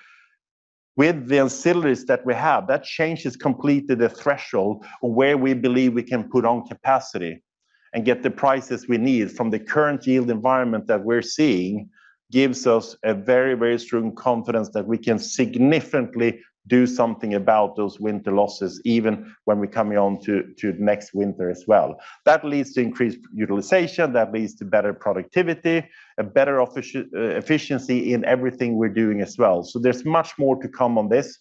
S1: with the ancillaries that we have, that change has completed a threshold where we believe we can put on capacity and get the prices we need from the current yield environment that we're seeing gives us a very strong confidence that we can significantly do something about those winter losses, even when we're coming on to next winter as well. That leads to increased utilization, that leads to better productivity, a better efficiency in everything we're doing as well. There's much more to come on this,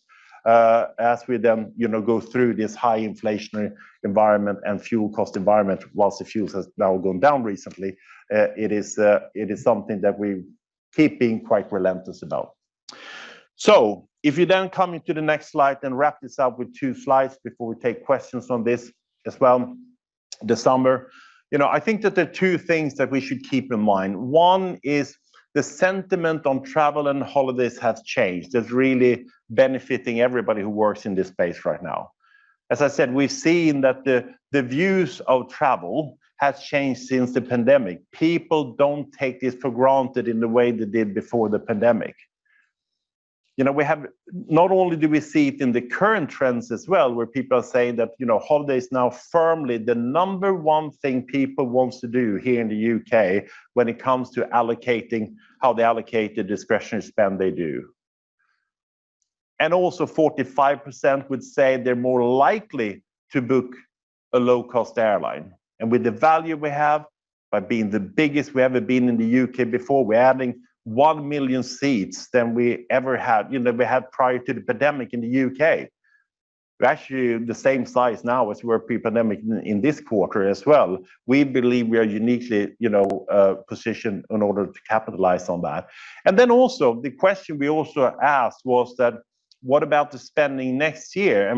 S1: as we then, you know, go through this high inflationary environment and fuel cost environment. Whilst the fuels has now gone down recently, it is something that we keep being quite relentless about. If you then come into the next slide and wrap this up with two slides before we take questions on this as well. The summer. You know, I think that there are two things that we should keep in mind. One is the sentiment on travel and holidays has changed. That's really benefiting everybody who works in this space right now. As I said, we've seen that the views of travel has changed since the pandemic. People don't take this for granted in the way they did before the pandemic. You know, we have not only do we see it in the current trends as well, where people are saying that, you know, holiday is now firmly the number one thing people wants to do here in the UK when it comes to allocating how they allocate the discretionary spend they do. Also 45% would say they're more likely to book a low-cost airline. With the value we have by being the biggest we've ever been in the UK before, we're adding 1 million seats than we ever had, you know, than we had prior to the pandemic in the UK. We're actually the same size now as we were pre-pandemic in this quarter as well. We believe we are uniquely, you know, positioned in order to capitalize on that. Also the question we also asked was that what about the spending next year?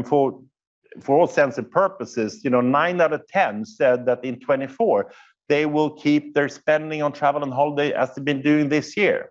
S1: For all sense and purposes, you know, 9 out of 10 said that in 2024 they will keep their spending on travel and holiday as they've been doing this year.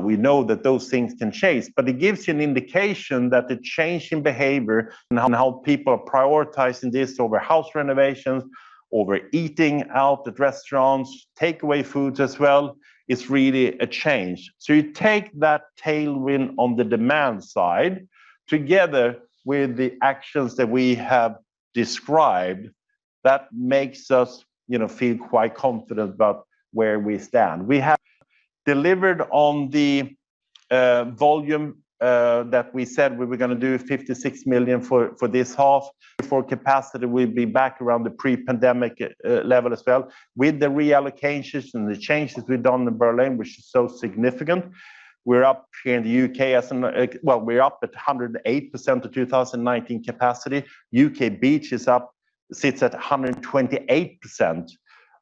S1: We know that those things can change, but it gives you an indication that the change in behavior and how, and how people are prioritizing this over house renovations, over eating out at restaurants, takeaway foods as well, is really a change. You take that tailwind on the demand side together with the actions that we have described, that makes us, you know, feel quite confident about where we stand. We have delivered on the volume that we said we were gonna do, 56 million for this half. For capacity, we'll be back around the pre-pandemic level as well. With the reallocations and the changes we've done in Berlin, which is so significant, Well, we're up at 108% to 2019 capacity. UK Beach is up, sits at 128%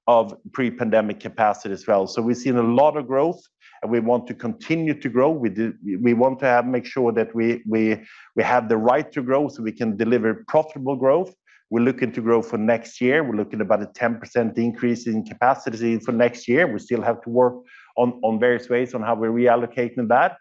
S1: of pre-pandemic capacity as well. We've seen a lot of growth, and we want to continue to grow. We want to have, make sure that we have the right to grow so we can deliver profitable growth. We're looking to grow for next year. We're looking about a 10% increase in capacity for next year. We still have to work on various ways on how we're reallocating that.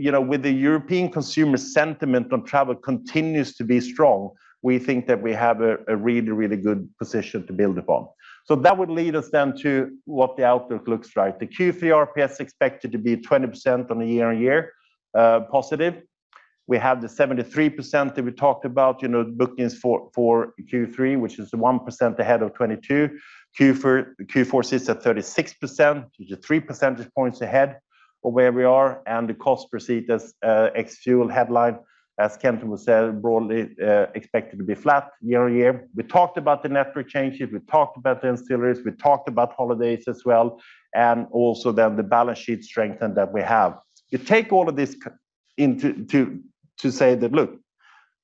S1: You know, with the European consumer sentiment on travel continues to be strong, we think that we have a really, really good position to build upon. That would lead us then to what the outlook looks like. The Q3 RPS expected to be 20% on a year-on-year positive. We have the 73% that we talked about, you know, bookings for Q3, which is 1% ahead of 2022. Q4 sits at 36%, which is 3 percentage points ahead of where we are. The cost per seat as ex-fuel headline, as Kenton will say, broadly expected to be flat year-on-year. We talked about the network changes. We talked about the ancillaries. We talked about holidays as well, and also then the balance sheet strength that we have. You take all of this into, to say that, look,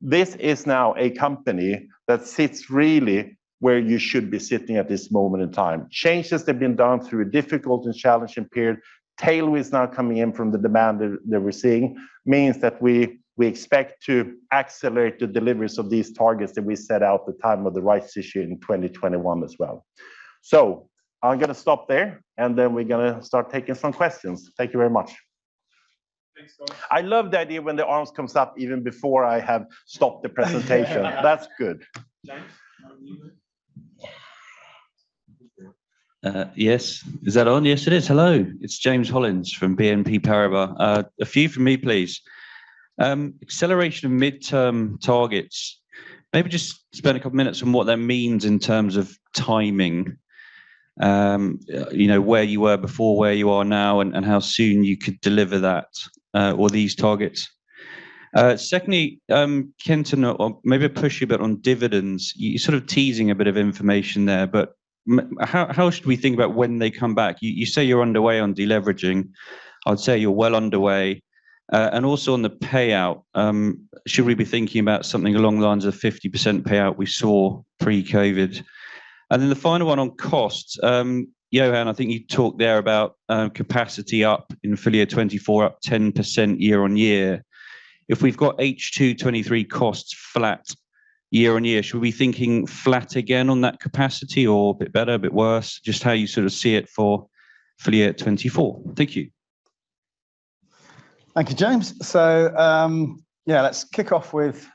S1: this is now a company that sits really where you should be sitting at this moment in time. Changes have been done through a difficult and challenging period. Tailwind now coming in from the demand that we're seeing means that we expect to accelerate the deliveries of these targets that we set out at the time of the rights issue in 2021 as well. I'm gonna stop there, and then we're gonna start taking some questions. Thank you very much.
S3: Thanks, Johan.
S1: I love the idea when the arms comes up even before I have stopped the presentation. That's good.
S3: James, unmute.
S4: Yes. Is that on? Yes, it is. Hello. It's James Hollins from Exane BNP Paribas. A few from me, please. Acceleration of midterm targets. Maybe just spend a 2 minutes on what that means in terms of timing. You know, where you were before, where you are now, and how soon you could deliver that or these targets. Secondly, Kenton, maybe I'll push you a bit on dividends. You're sort of teasing a bit of information there, but how should we think about when they come back? You say you're underway on deleveraging. I'd say you're well underway. Also on the payout, should we be thinking about something along the lines of 50% payout we saw pre-COVID? Then the final one on costs. Johan, I think you talked there about capacity up in full year 2024, up 10% year-on-year. If we've got H2 2023 costs flat year-on-year, should we be thinking flat again on that capacity or a bit better, a bit worse? Just how you sort of see it for full year 2024. Thank you.
S2: Thank you, James. Yeah, let's kick off with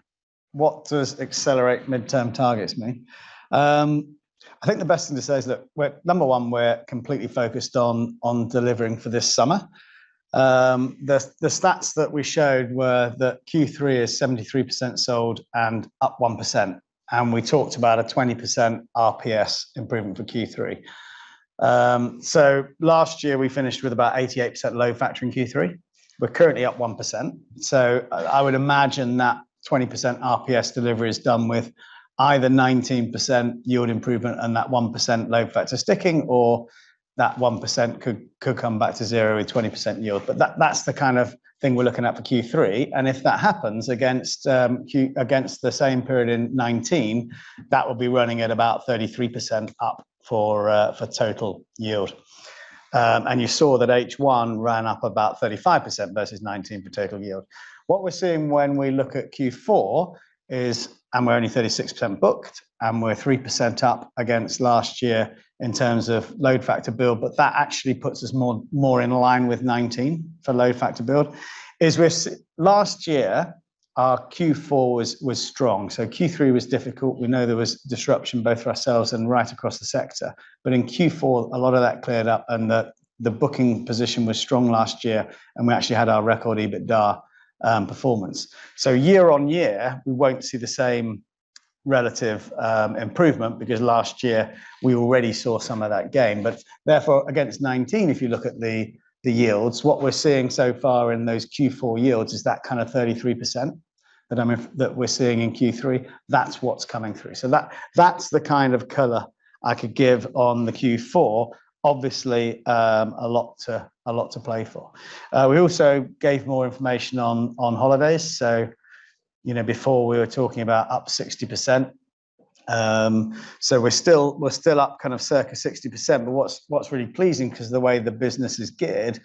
S2: what does accelerate midterm targets mean. I think the best thing to say is that we're, number one, we're completely focused on delivering for this summer. The stats that we showed were that Q3 is 73% sold and up 1%. We talked about a 20% RPS improvement for Q3. Last year we finished with about 88% load factor in Q3. We're currently up 1%. I would imagine that 20% RPS delivery is done with either 19% yield improvement and that 1% load factor sticking or that 1% could come back to 0 with 20% yield. That, that's the kind of thing we're looking at for Q3. If that happens against against the same period in 2019, that would be running at about 33% up for for total yield. You saw that H1 ran up about 35% versus 2019 for total yield. What we're seeing when we look at Q4 is we're only 36% booked, and we're 3% up against last year in terms of load factor build. That actually puts us more in line with 2019 for load factor build, is we're last year Our Q4 was strong. Q3 was difficult. We know there was disruption both for ourselves and right across the sector. In Q4, a lot of that cleared up, and the booking position was strong last year, and we actually had our record EBITDA performance. Year on year, we won't see the same relative improvement, because last year we already saw some of that gain. Therefore, against 2019, if you look at the yields, what we're seeing so far in those Q4 yields is that kind of 33% that we're seeing in Q3. That's what's coming through. That, that's the kind of color I could give on the Q4. Obviously, a lot to play for. We also gave more information on holidays. You know, before we were talking about up 60%. So we're still up kind of circa 60%. What's really pleasing, 'cause the way the business is geared,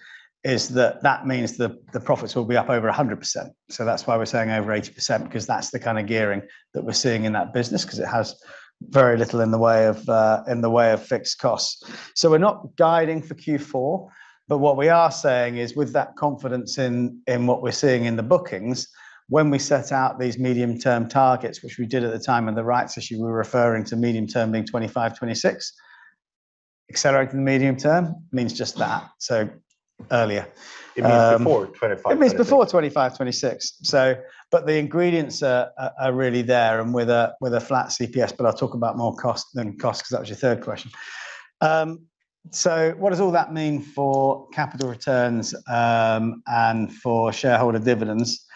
S2: is that that means the profits will be up over 100%. That's why we're saying over 80%, because that's the kind of gearing that we're seeing in that business 'cause it has very little in the way of fixed costs. We're not guiding for Q4, but what we are saying is with that confidence in what we're seeing in the bookings, when we set out these medium-term targets, which we did at the time of the rights issue, we were referring to medium term being 2025, 2026. Accelerating the medium term means just that, so earlier.
S1: It means before 2025, 2026.
S2: It means before 2025, 2026. But the ingredients are really there and with a, with a flat CPS, but I'll talk about more cost, then cost, 'cause that was your third question. What does all that mean for capital returns and for shareholder dividends?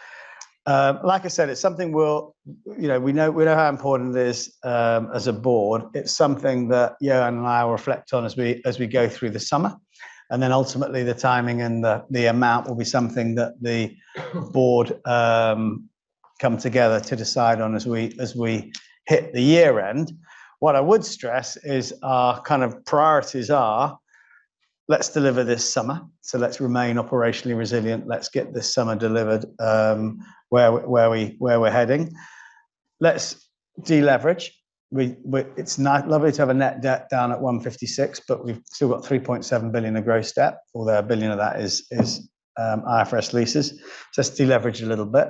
S2: Like I said, it's something. You know, we know how important it is as a board. It's something that Johan and I will reflect on as we go through the summer. Ultimately the timing and the amount will be something that the board come together to decide on as we hit the year end. What I would stress is our kind of priorities are, let's deliver this summer. Let's remain operationally resilient. Let's get this summer delivered where we're heading. Let's deleverage. It's lovely to have a net debt down at 156 million, but we've still got 3.7 billion of gross debt, although 1 billion of that is IFRS leases. Let's deleverage a little bit.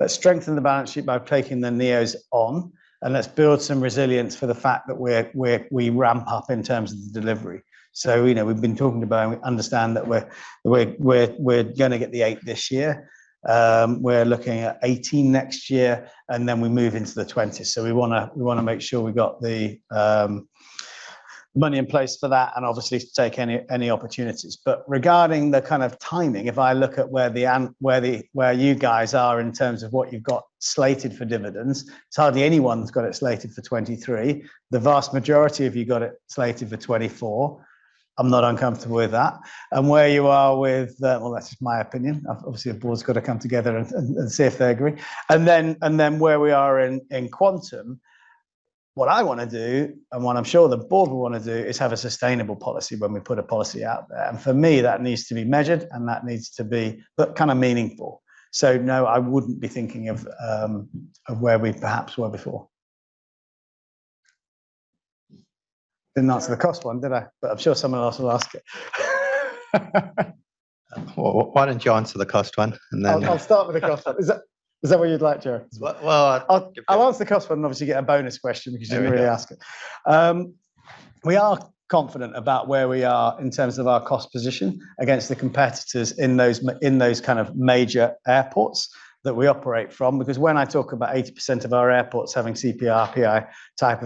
S2: Let's strengthen the balance sheet by taking the neos on, and let's build some resilience for the fact that we ramp up in terms of the delivery. You know, we've been talking about and we understand that we're gonna get the 8 this year. We're looking at 18 next year, and then we move into the 20s. We wanna make sure we've got the money in place for that and obviously to take any opportunities. Regarding the kind of timing, if I look at where you guys are in terms of what you've got slated for dividends, it's hardly anyone's got it slated for 2023. The vast majority of you got it slated for 2024. I'm not uncomfortable with that. Where you are with. Well, that's just my opinion. Obviously, a board's got to come together and see if they agree. Where we are in quantum, what I wanna do, and what I'm sure the board will wanna do, is have a sustainable policy when we put a policy out there. For me, that needs to be measured and that needs to be but kind of meaningful. No, I wouldn't be thinking of where we perhaps were before. Didn't answer the cost one, did I?
S1: I'm sure someone else will ask it.
S4: Well, why don't you answer the cost one, and then-
S2: I'll start with the cost. Is that what you'd like, Jerry?
S3: Well.
S2: I'll answer the cost one and obviously get a bonus question because you didn't really ask it. We are confident about where we are in terms of our cost position against the competitors in those kind of major airports that we operate from. When I talk about 80% of our airports having CPI-RPI type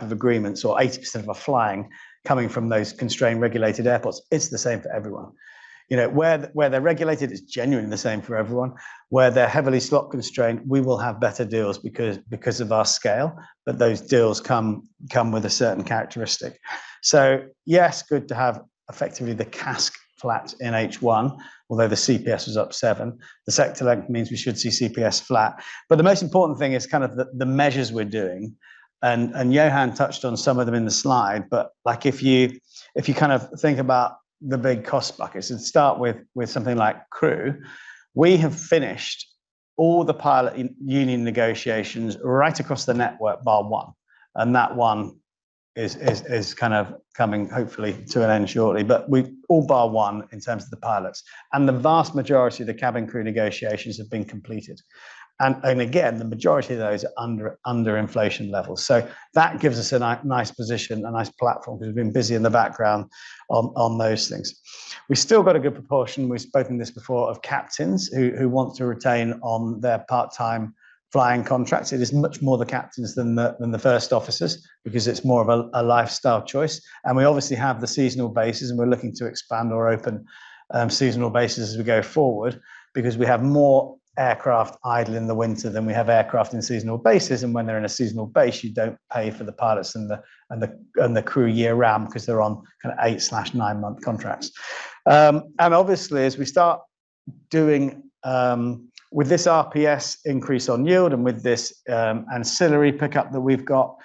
S2: of agreements or 80% of our flying coming from those constrained regulated airports, it's the same for everyone. You know, where they're regulated, it's genuinely the same for everyone. Where they're heavily slot constrained, we will have better deals because of our scale, but those deals come with a certain characteristic. Yes, good to have effectively the CASK flat in H1, although the CPS was up 7%. The sector length means we should see CPS flat. The most important thing is kind of the measures we're doing. Johan touched on some of them in the slide. Like, if you kind of think about the big cost buckets and start with something like crew, we have finished all the pilot union negotiations right across the network, bar one. That one is kind of coming hopefully to an end shortly. We've all bar one in terms of the pilots, and the vast majority of the cabin crew negotiations have been completed. Again, the majority of those are under inflation levels. That gives us a nice position, a nice platform, because we've been busy in the background on those things. We've still got a good proportion, we've spoken this before, of captains who want to retain on their part-time flying contracts. It is much more the captains than the first officers because it's more of a lifestyle choice. We obviously have the seasonal bases, and we're looking to expand or open seasonal bases as we go forward because we have more aircraft idle in the winter than we have aircraft in seasonal bases. When they're in a seasonal base, you don't pay for the pilots and the crew year round because they're on kind of 8/9-month contracts. Obviously, as we startDoing, with this RPS increase on yield and with this ancillary pickup that we've got,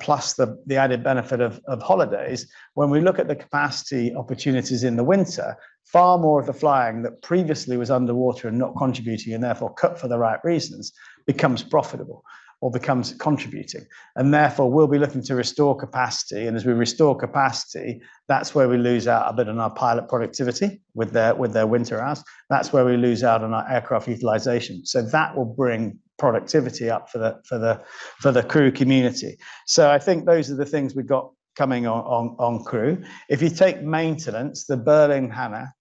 S2: plus the added benefit of holidays, when we look at the capacity opportunities in the winter, far more of the flying that previously was underwater and not contributing and therefore cut for the right reasons becomes profitable or becomes contributing. Therefore, we'll be looking to restore capacity, and as we restore capacity, that's where we lose out a bit on our pilot productivity with their winter hours. That's where we lose out on our aircraft utilization. That will bring productivity up for the crew community. I think those are the things we've got coming on crew. If you take maintenance, the Birmingham hangar,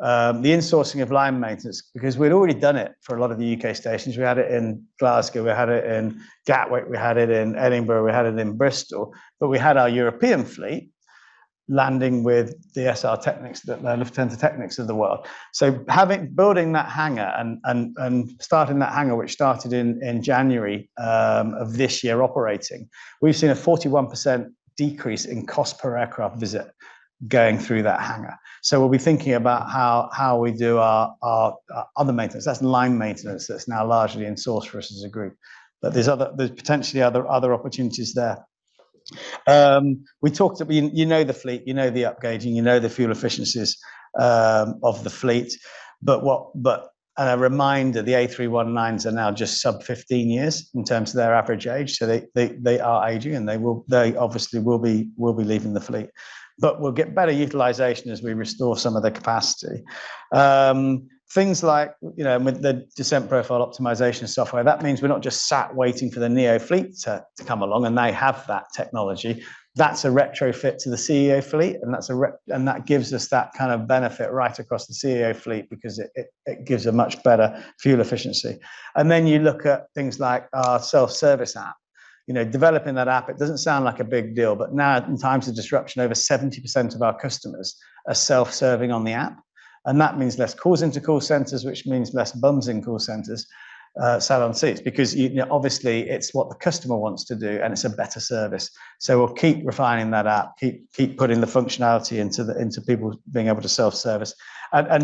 S2: the insourcing of line maintenance, because we'd already done it for a lot of the UK stations. We had it in Glasgow. We had it in Gatwick. We had it in Edinburgh. We had it in Bristol. We had our European fleet landing with DSR techniques, the Lufthansa Technik of the world. Building that hangar and starting that hangar, which started in January of this year operating. We've seen a 41% decrease in cost per aircraft visit going through that hangar. We'll be thinking about how we do our other maintenance. That's line maintenance that's now largely insource for us as a group. There's potentially other opportunities there. We talked, you know the fleet, you know the upgauging, you know the fuel efficiencies of the fleet. A reminder, the A319s are now just sub 15 years in terms of their average age, so they are aging, and they obviously will be leaving the fleet. We'll get better utilization as we restore some of the capacity. Things like, you know, with the Descent Profile Optimisation software, that means we're not just sat waiting for the neo fleet to come along, and they have that technology. That's a retrofit to the ceo fleet, and that gives us that kind of benefit right across the ceo fleet because it gives a much better fuel efficiency. You look at things like our self-service app. You know, developing that app, it doesn't sound like a big deal, but now in times of disruption, over 70% of our customers are self-serving on the app. That means less calls into call centers, which means less bums in call centers, selling seats because you know, obviously it's what the customer wants to do, and it's a better service. We'll keep refining that app, keep putting the functionality into people being able to self-service.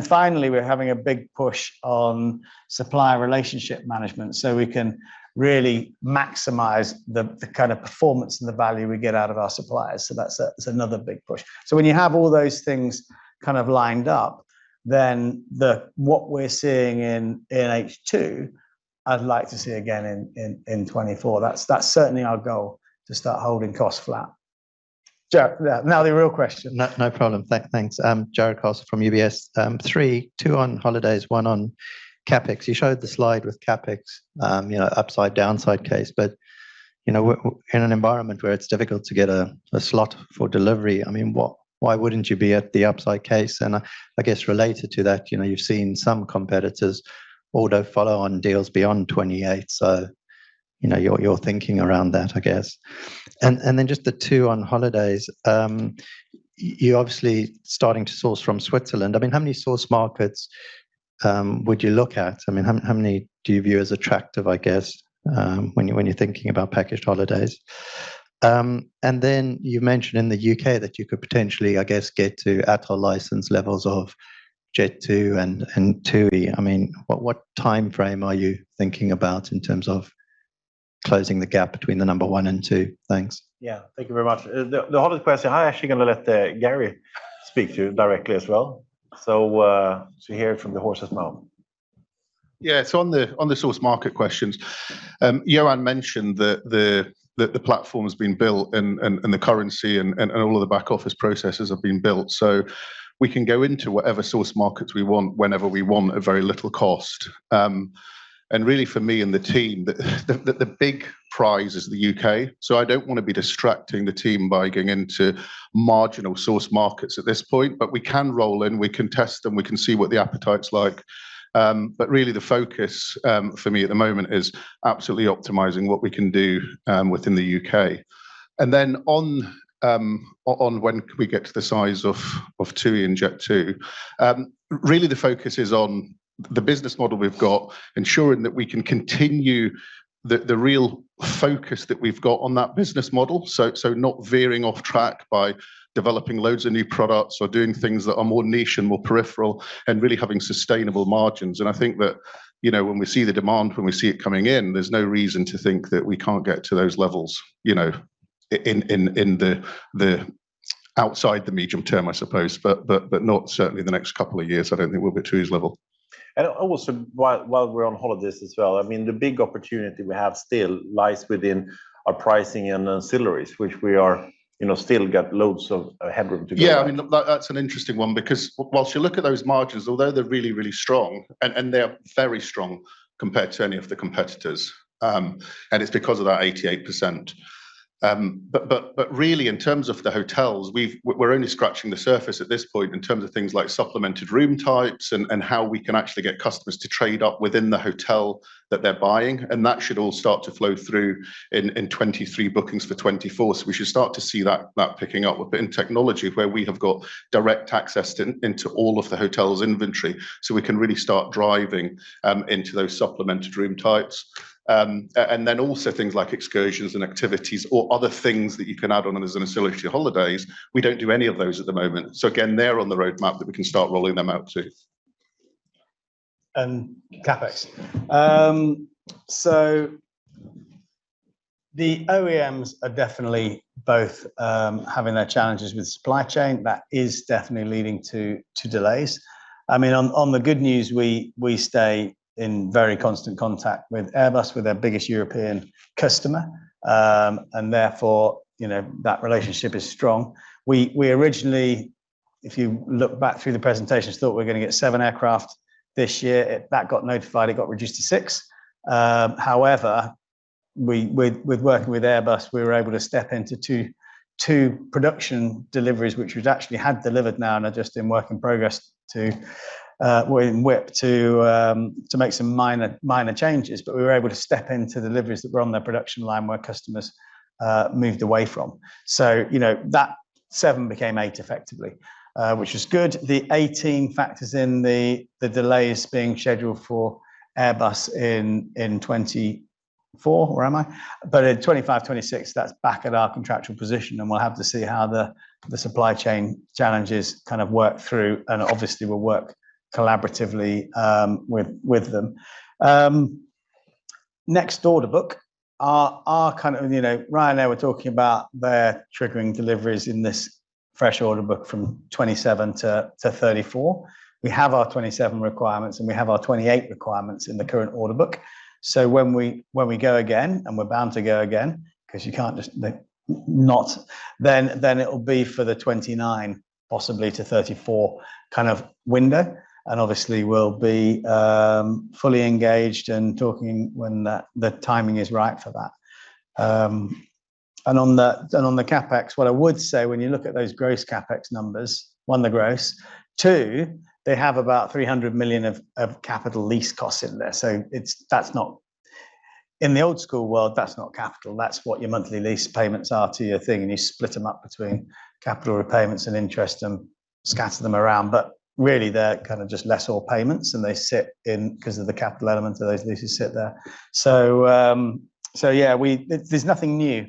S2: Finally, we're having a big push on supplier relationship management, so we can really maximize the kind of performance and the value we get out of our suppliers. That's another big push. When you have all those things kind of lined up, then what we're seeing in H2, I'd like to see again in 2024. That's certainly our goal to start holding costs flat. The real question.
S5: No, no problem. Thanks. I'm Jarrod Castle from UBS. 3, 2 on holidays, 1 on CapEx. You showed the slide with CapEx, you know, upside downside case. You know, in an environment where it's difficult to get a slot for delivery, I mean, why wouldn't you be at the upside case? I guess related to that, you know, you've seen some competitors order follow-on deals beyond 28. You know, your thinking around that, I guess. Then just the 2 on holidays. You're obviously starting to source from Switzerland. I mean, how many source markets would you look at? I mean, how many do you view as attractive, I guess, when you're thinking about packaged holidays? Then you mentioned in the UK that you could potentially, I guess, get to ATOL license levels of Jet2 and TUI. I mean, what timeframe are you thinking about in terms of closing the gap between the number one and two? Thanks.
S1: Thank you very much. The holiday question, I'm actually gonna let Gary speak to directly as well. To hear it from the horse's mouth.
S6: Yeah. On the source market questions, Johan mentioned that the platform has been built and the currency and all of the back office processes have been built. We can go into whatever source markets we want whenever we want at very little cost. Really for me and the team, the big prize is the UK. I don't wanna be distracting the team by going into marginal source markets at this point. We can roll in, we can test them, we can see what the appetite's like. Really the focus for me at the moment is absolutely optimizing what we can do within the UK. Then on when can we get to the size of TUI and Jet2, really the focus is on the business model we've got, ensuring that we can continue the real focus that we've got on that business model. Not veering off track by developing loads of new products or doing things that are more niche and more peripheral and really having sustainable margins. I think that, you know, when we see the demand, when we see it coming in, there's no reason to think that we can't get to those levels, you know, in the outside the medium term, I suppose. Not certainly the next 2 years, I don't think we'll be at TUI's level.
S2: Also while we're on holidays as well, I mean, the big opportunity we have still lies within our pricing and ancillaries, which we are, you know, still got loads of headroom to go.
S6: I mean, that's an interesting one because once you look at those margins, although they're really, really strong and they are very strong compared to any of the competitors, and it's because of that 88%. But really in terms of the hotels, we're only scratching the surface at this point in terms of things like supplemented room types and how we can actually get customers to trade up within the hotel that they're buying, and that should all start to flow through in 2023 bookings for 2024. We should start to see that picking up a bit in technology where we have got direct access into all of the hotel's inventory, so we can really start driving into those supplemented room types. Also things like excursions and activities or other things that you can add on as an ancillary to your holidays. We don't do any of those at the moment. Again, they're on the roadmap that we can start rolling them out too.
S7: CapEx. The OEMs are definitely both having their challenges with supply chain. That is definitely leading to delays. I mean, on the good news, we stay in very constant contact with Airbus. We're their biggest European customer, and therefore, you know, that relationship is strong. We originally, if you look back through the presentation, thought we're gonna get 7 aircraft this year. That got notified, it got reduced to 6. However, we with working with Airbus, we were able to step into 2 production deliveries, which we've actually had delivered now and are just in work in progress to or in whip to make some minor changes. We were able to step into deliveries that were on their production line where customers moved away from. You know, that 7 became 8 effectively, which is good. The 18 factors in the delays being scheduled for Airbus in 2024. Where am I? In 2025, 2026, that's back at our contractual position, and we'll have to see how the supply chain challenges kind of work through, and obviously we'll work collaboratively with them. Next order book. You know, Ryan and I were talking about their triggering deliveries in this fresh order book from 27 to 34. We have our 27 requirements, and we have our 28 requirements in the current order book. When we go again, and we're bound to go again, 'cause you can't just like not, then it'll be for the 29 possibly to 34 kind of window, and obviously we'll be fully engaged and talking when the timing is right for that. On the CapEx, what I would say, when you look at those gross CapEx numbers, one, they're gross. Two, they have about 300 million of capital lease costs in there. That's not. In the old school world, that's not capital. That's what your monthly lease payments are to your thing, and you split them up between capital repayments and interest and scatter them around. Really, they're kind of just lessor payments, and they sit in 'cause of the capital element of those leases sit there. There's nothing new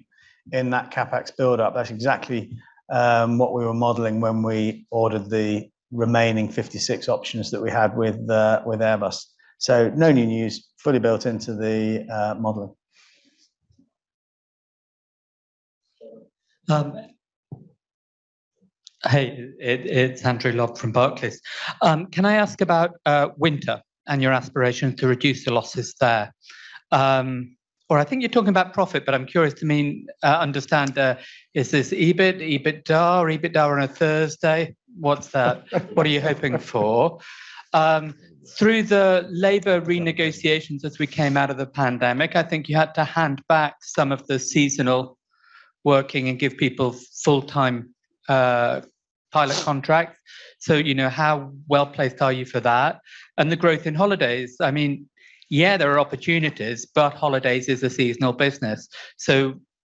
S7: in that CapEx build-up. That's exactly what we were modeling when we ordered the remaining 56 options that we had with Airbus. No new news. Fully built into the model.
S8: Hey, it's Andrew Lobbenberg from Barclays. Can I ask about winter and your aspiration to reduce the losses there? I think you're talking about profit, but I'm curious to understand, is this EBIT, EBITDA or EBITDA on a Thursday? What's that? What are you hoping for? Through the labor renegotiations as we came out of the pandemic, I think you had to hand back some of the seasonal working and give people full-time pilot contracts. You know, how well-placed are you for that? The growth in holidays, I mean, there are opportunities, but holidays is a seasonal business.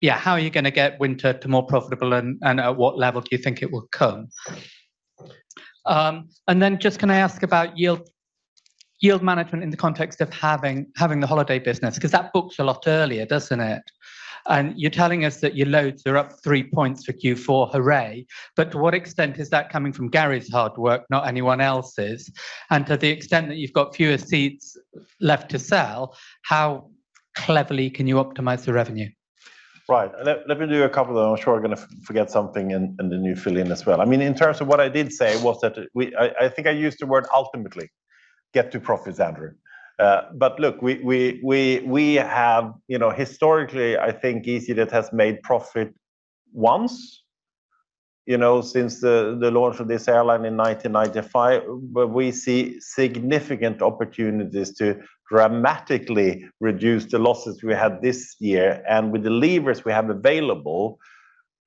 S8: How are you gonna get winter to more profitable, and at what level do you think it will come? Just can I ask about yield management in the context of having the holiday business? That books a lot earlier, doesn't it? You're telling us that your loads are up 3 points for Q4. Hooray. To what extent is that coming from Garry's hard work, not anyone else's? To the extent that you've got fewer seats left to sell, how cleverly can you optimize the revenue?
S7: Right. Let me do a couple of them. I'm sure I'm gonna forget something and then you fill in as well. I mean, in terms of what I did say was that I think I used the word ultimately get to profits, Andrew. Look, we have. You know, historically, I think easyJet has made profit once, you know, since the launch of this airline in 1995. We see significant opportunities to dramatically reduce the losses we had this year. With the levers we have available,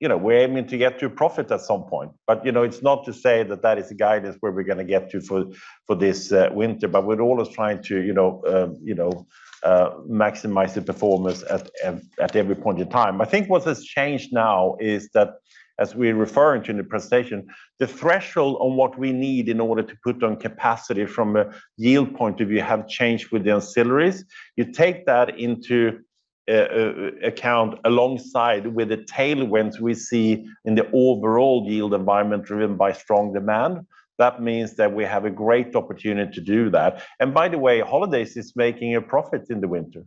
S7: you know, we're aiming to get to profit at some point. You know, it's not to say that that is the guidance where we're gonna get to for this winter. We're always trying to, you know, maximize the performance at every point in time. I think what has changed now is that, as we're referring to in the presentation, the threshold on what we need in order to put on capacity from a yield point of view have changed with the ancillaries. You take that into account alongside with the tailwinds we see in the overall yield environment driven by strong demand. That means that we have a great opportunity to do that. By the way, Holidays is making a profit in the winter,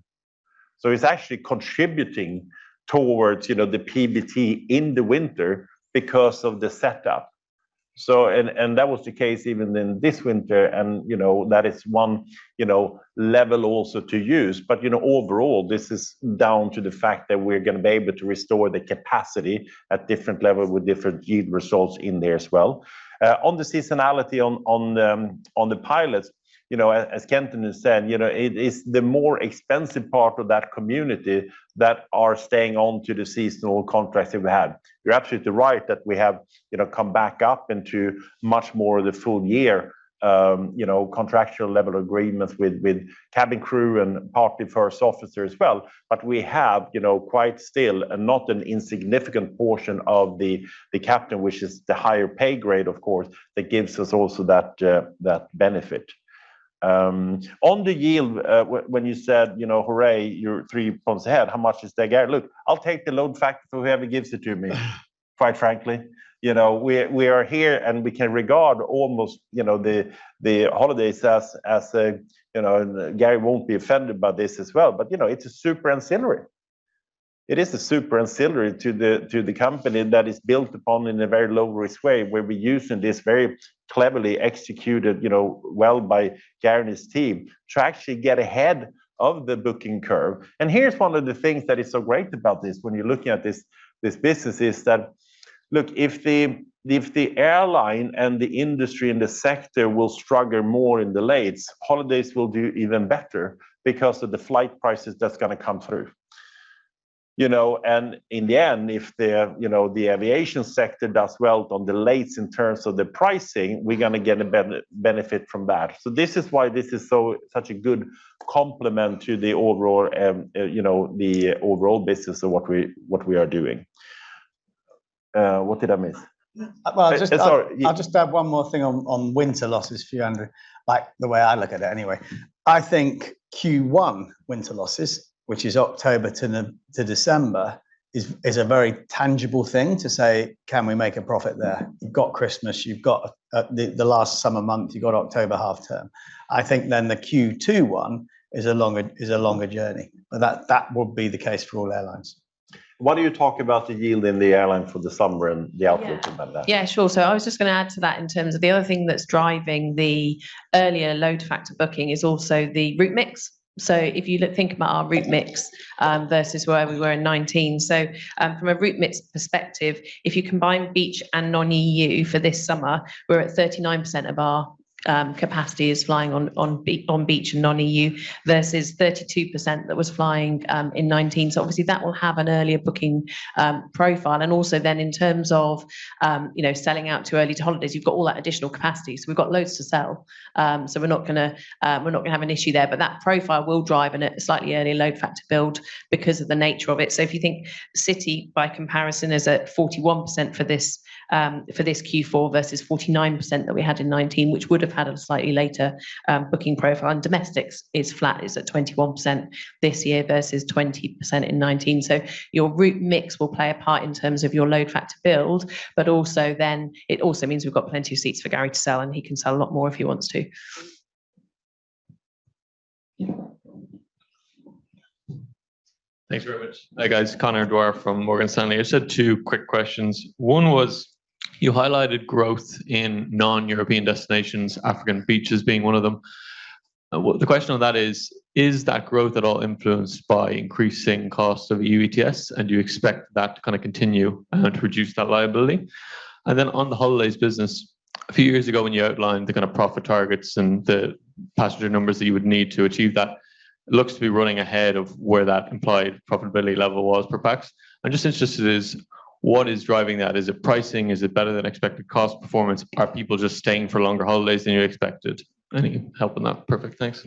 S7: so it's actually contributing towards, you know, the PBT in the winter because of the setup. That was the case even in this winter, and, you know, that is one, you know, level also to use. You know, overall, this is down to the fact that we're gonna be able to restore the capacity at different levels with different yield results in there as well. On the seasonality on the pilots, you know, as Kenton has said, you know, it is the more expensive part of that community that are staying on to the seasonal contracts that we had. You're absolutely right that we have, you know, come back up into much more of the full year, you know, contractual level agreements with cabin crew and partly first officer as well. We have, you know, quite still, and not an insignificant portion of the captain, which is the higher pay grade, of course, that gives us also that benefit. On the yield, when you said, you know, hooray, you're 3 pumps ahead, how much is there, Garry? Look, I'll take the load factor for whoever gives it to me.
S1: Quite frankly. You know, we are here, and we can regard almost, you know, the holidays as a, you know, Gary won't be offended by this as well, but, you know, it's a super ancillary. It is a super ancillary to the company that is built upon in a very low-risk way, where we're using this very cleverly executed, you know, well by Gary and his team to actually get ahead of the booking curve. Here's one of the things that is so great about this when you're looking at this business, is that, look, if the airline and the industry and the sector will struggle more in delays, holidays will do even better because of the flight prices that's gonna come through.
S8: You know, in the end, if the, you know, the aviation sector does well on delays in terms of the pricing, we're gonna get a benefit from that. This is why this is so, such a good complement to the overall, you know, the overall business of what we are doing. What did I miss?
S6: Well, I'll just.
S1: Sorry. Yeah.
S6: I'll just add one more thing on winter losses for you, Andrew, like, the way I look at it, anyway. I think Q1 winter losses, which is October to December, is a very tangible thing to say, "Can we make a profit there?" You've got Christmas, you've got the last summer month, you've got October half term. I think then the Q2 one is a longer journey. That would be the case for all airlines.
S8: Why don't you talk about the yield in the airline for the summer and the outlook about that?
S9: Yeah. Sure. I was just gonna add to that in terms of the other thing that's driving the earlier load factor booking is also the route mix. If you think about our route mix versus where we were in 2019. From a route mix perspective, if you combine beach and non-EU for this summer, we're at 39% of our capacity is flying on beach and non-EU versus 32% that was flying in 2019. Obviously, that will have an earlier booking profile. In terms of, you know, selling out too early to holidays, you've got all that additional capacity. We've got loads to sell. We're not gonna have an issue there. That profile will drive in a slightly early load factor build because of the nature of it. If you think city by comparison is at 41% for this Q4 versus 49% that we had in 2019, which would have had a slightly later booking profile. Domestics is flat, it's at 21% this year versus 20% in 2019. Your route mix will play a part in terms of your load factor build, but also then it also means we've got plenty of seats for Garry to sell, and he can sell a lot more if he wants to.
S10: Thanks very much. Hi, guys. Conor Dwyer from Morgan Stanley. Just had 2 quick questions. One was, you highlighted growth in non-European destinations, African beaches being one of them. The question on that is that growth at all influenced by increasing cost of EU ETS, and do you expect that to kind of continue and reduce that liability? And then on the holidays business, a few years ago when you outlined the kind of profit targets and the passenger numbers that you would need to achieve that, looks to be running ahead of where that implied profitability level was per pax. I'm just interested is what is driving that? Is it pricing? Is it better than expected cost performance? Are people just staying for longer holidays than you expected? Any help on that? Perfect. Thanks.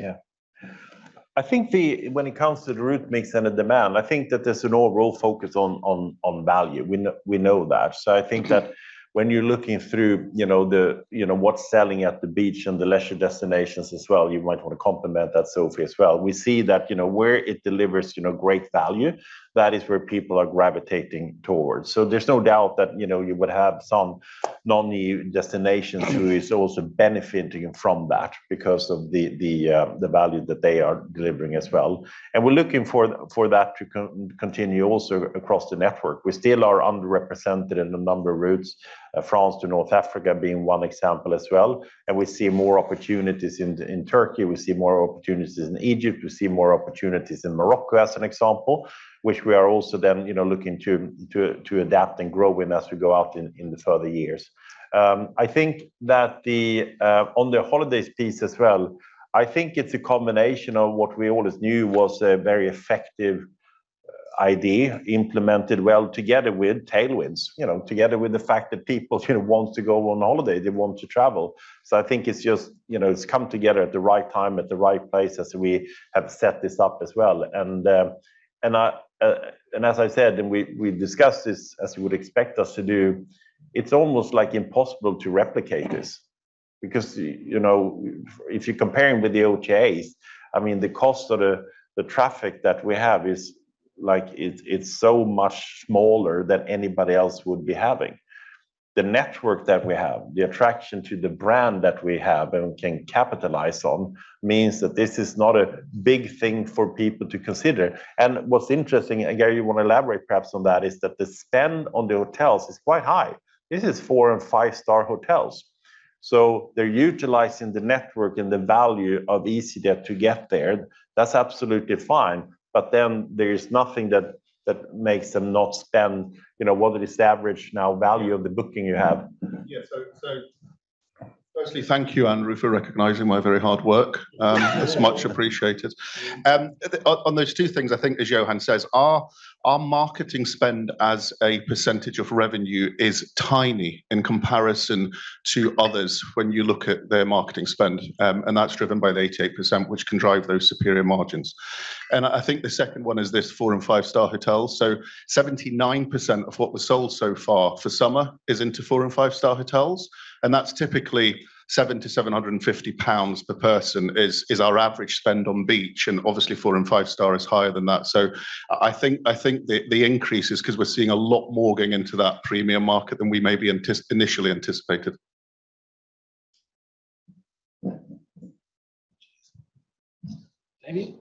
S1: I think when it comes to the route mix and the demand, I think that there's an overall focus on value. We know that. I think that when you're looking through, you know, what's selling at the beach and the leisure destinations as well, you might want to complement that, Sophie, as well. We see that, you know, where it delivers, you know, great value, that is where people are gravitating towards. There's no doubt that, you know, you would have some non-EU destinations who is also benefiting from that because of the value that they are delivering as well. We're looking for that to continue also across the network. We still are underrepresented in a number of routes, France to North Africa being one example as well. We see more opportunities in Turkey. We see more opportunities in Egypt. We see more opportunities in Morocco as an example, which we are also then, you know, looking to adapt and grow in as we go out in the further years. I think that the on the holidays piece as well, I think it's a combination of what we always knew was a very effective idea implemented well together with tailwinds. You know, together with the fact that people, you know, want to go on holiday, they want to travel. I think it's just, you know, it's come together at the right time, at the right place as we have set this up as well. As I said, we discussed this as you would expect us to do, it's almost impossible to replicate this because, if you're comparing with the OTAs, the cost of the traffic that we have is so much smaller than anybody else would be having. The network that we have, the attraction to the brand that we have and we can capitalize on means that this is not a big thing for people to consider. What's interesting, and Garry, you want to elaborate perhaps on that, is that the spend on the hotels is quite high. This is four and five-star hotels. They're utilizing the network and the value of easyJet to get there. That's absolutely fine. There is nothing that makes them not spend, you know, what is the average now value of the booking you have.
S6: Firstly, thank you, Andrew, for recognizing my very hard work. It's much appreciated. On those two things, I think as Johan says, our marketing spend as a percentage of revenue is tiny in comparison to others when you look at their marketing spend. That's driven by the 88%, which can drive those superior margins. I think the second one is this four and five-star hotels. 79% of what was sold so far for summer is into four and five-star hotels, and that's typically 7-750 pounds per person is our average spend on beach, and obviously four and five-star is higher than that. I think the increase is 'cause we're seeing a lot more going into that premium market than we maybe initially anticipated.
S2: Damian?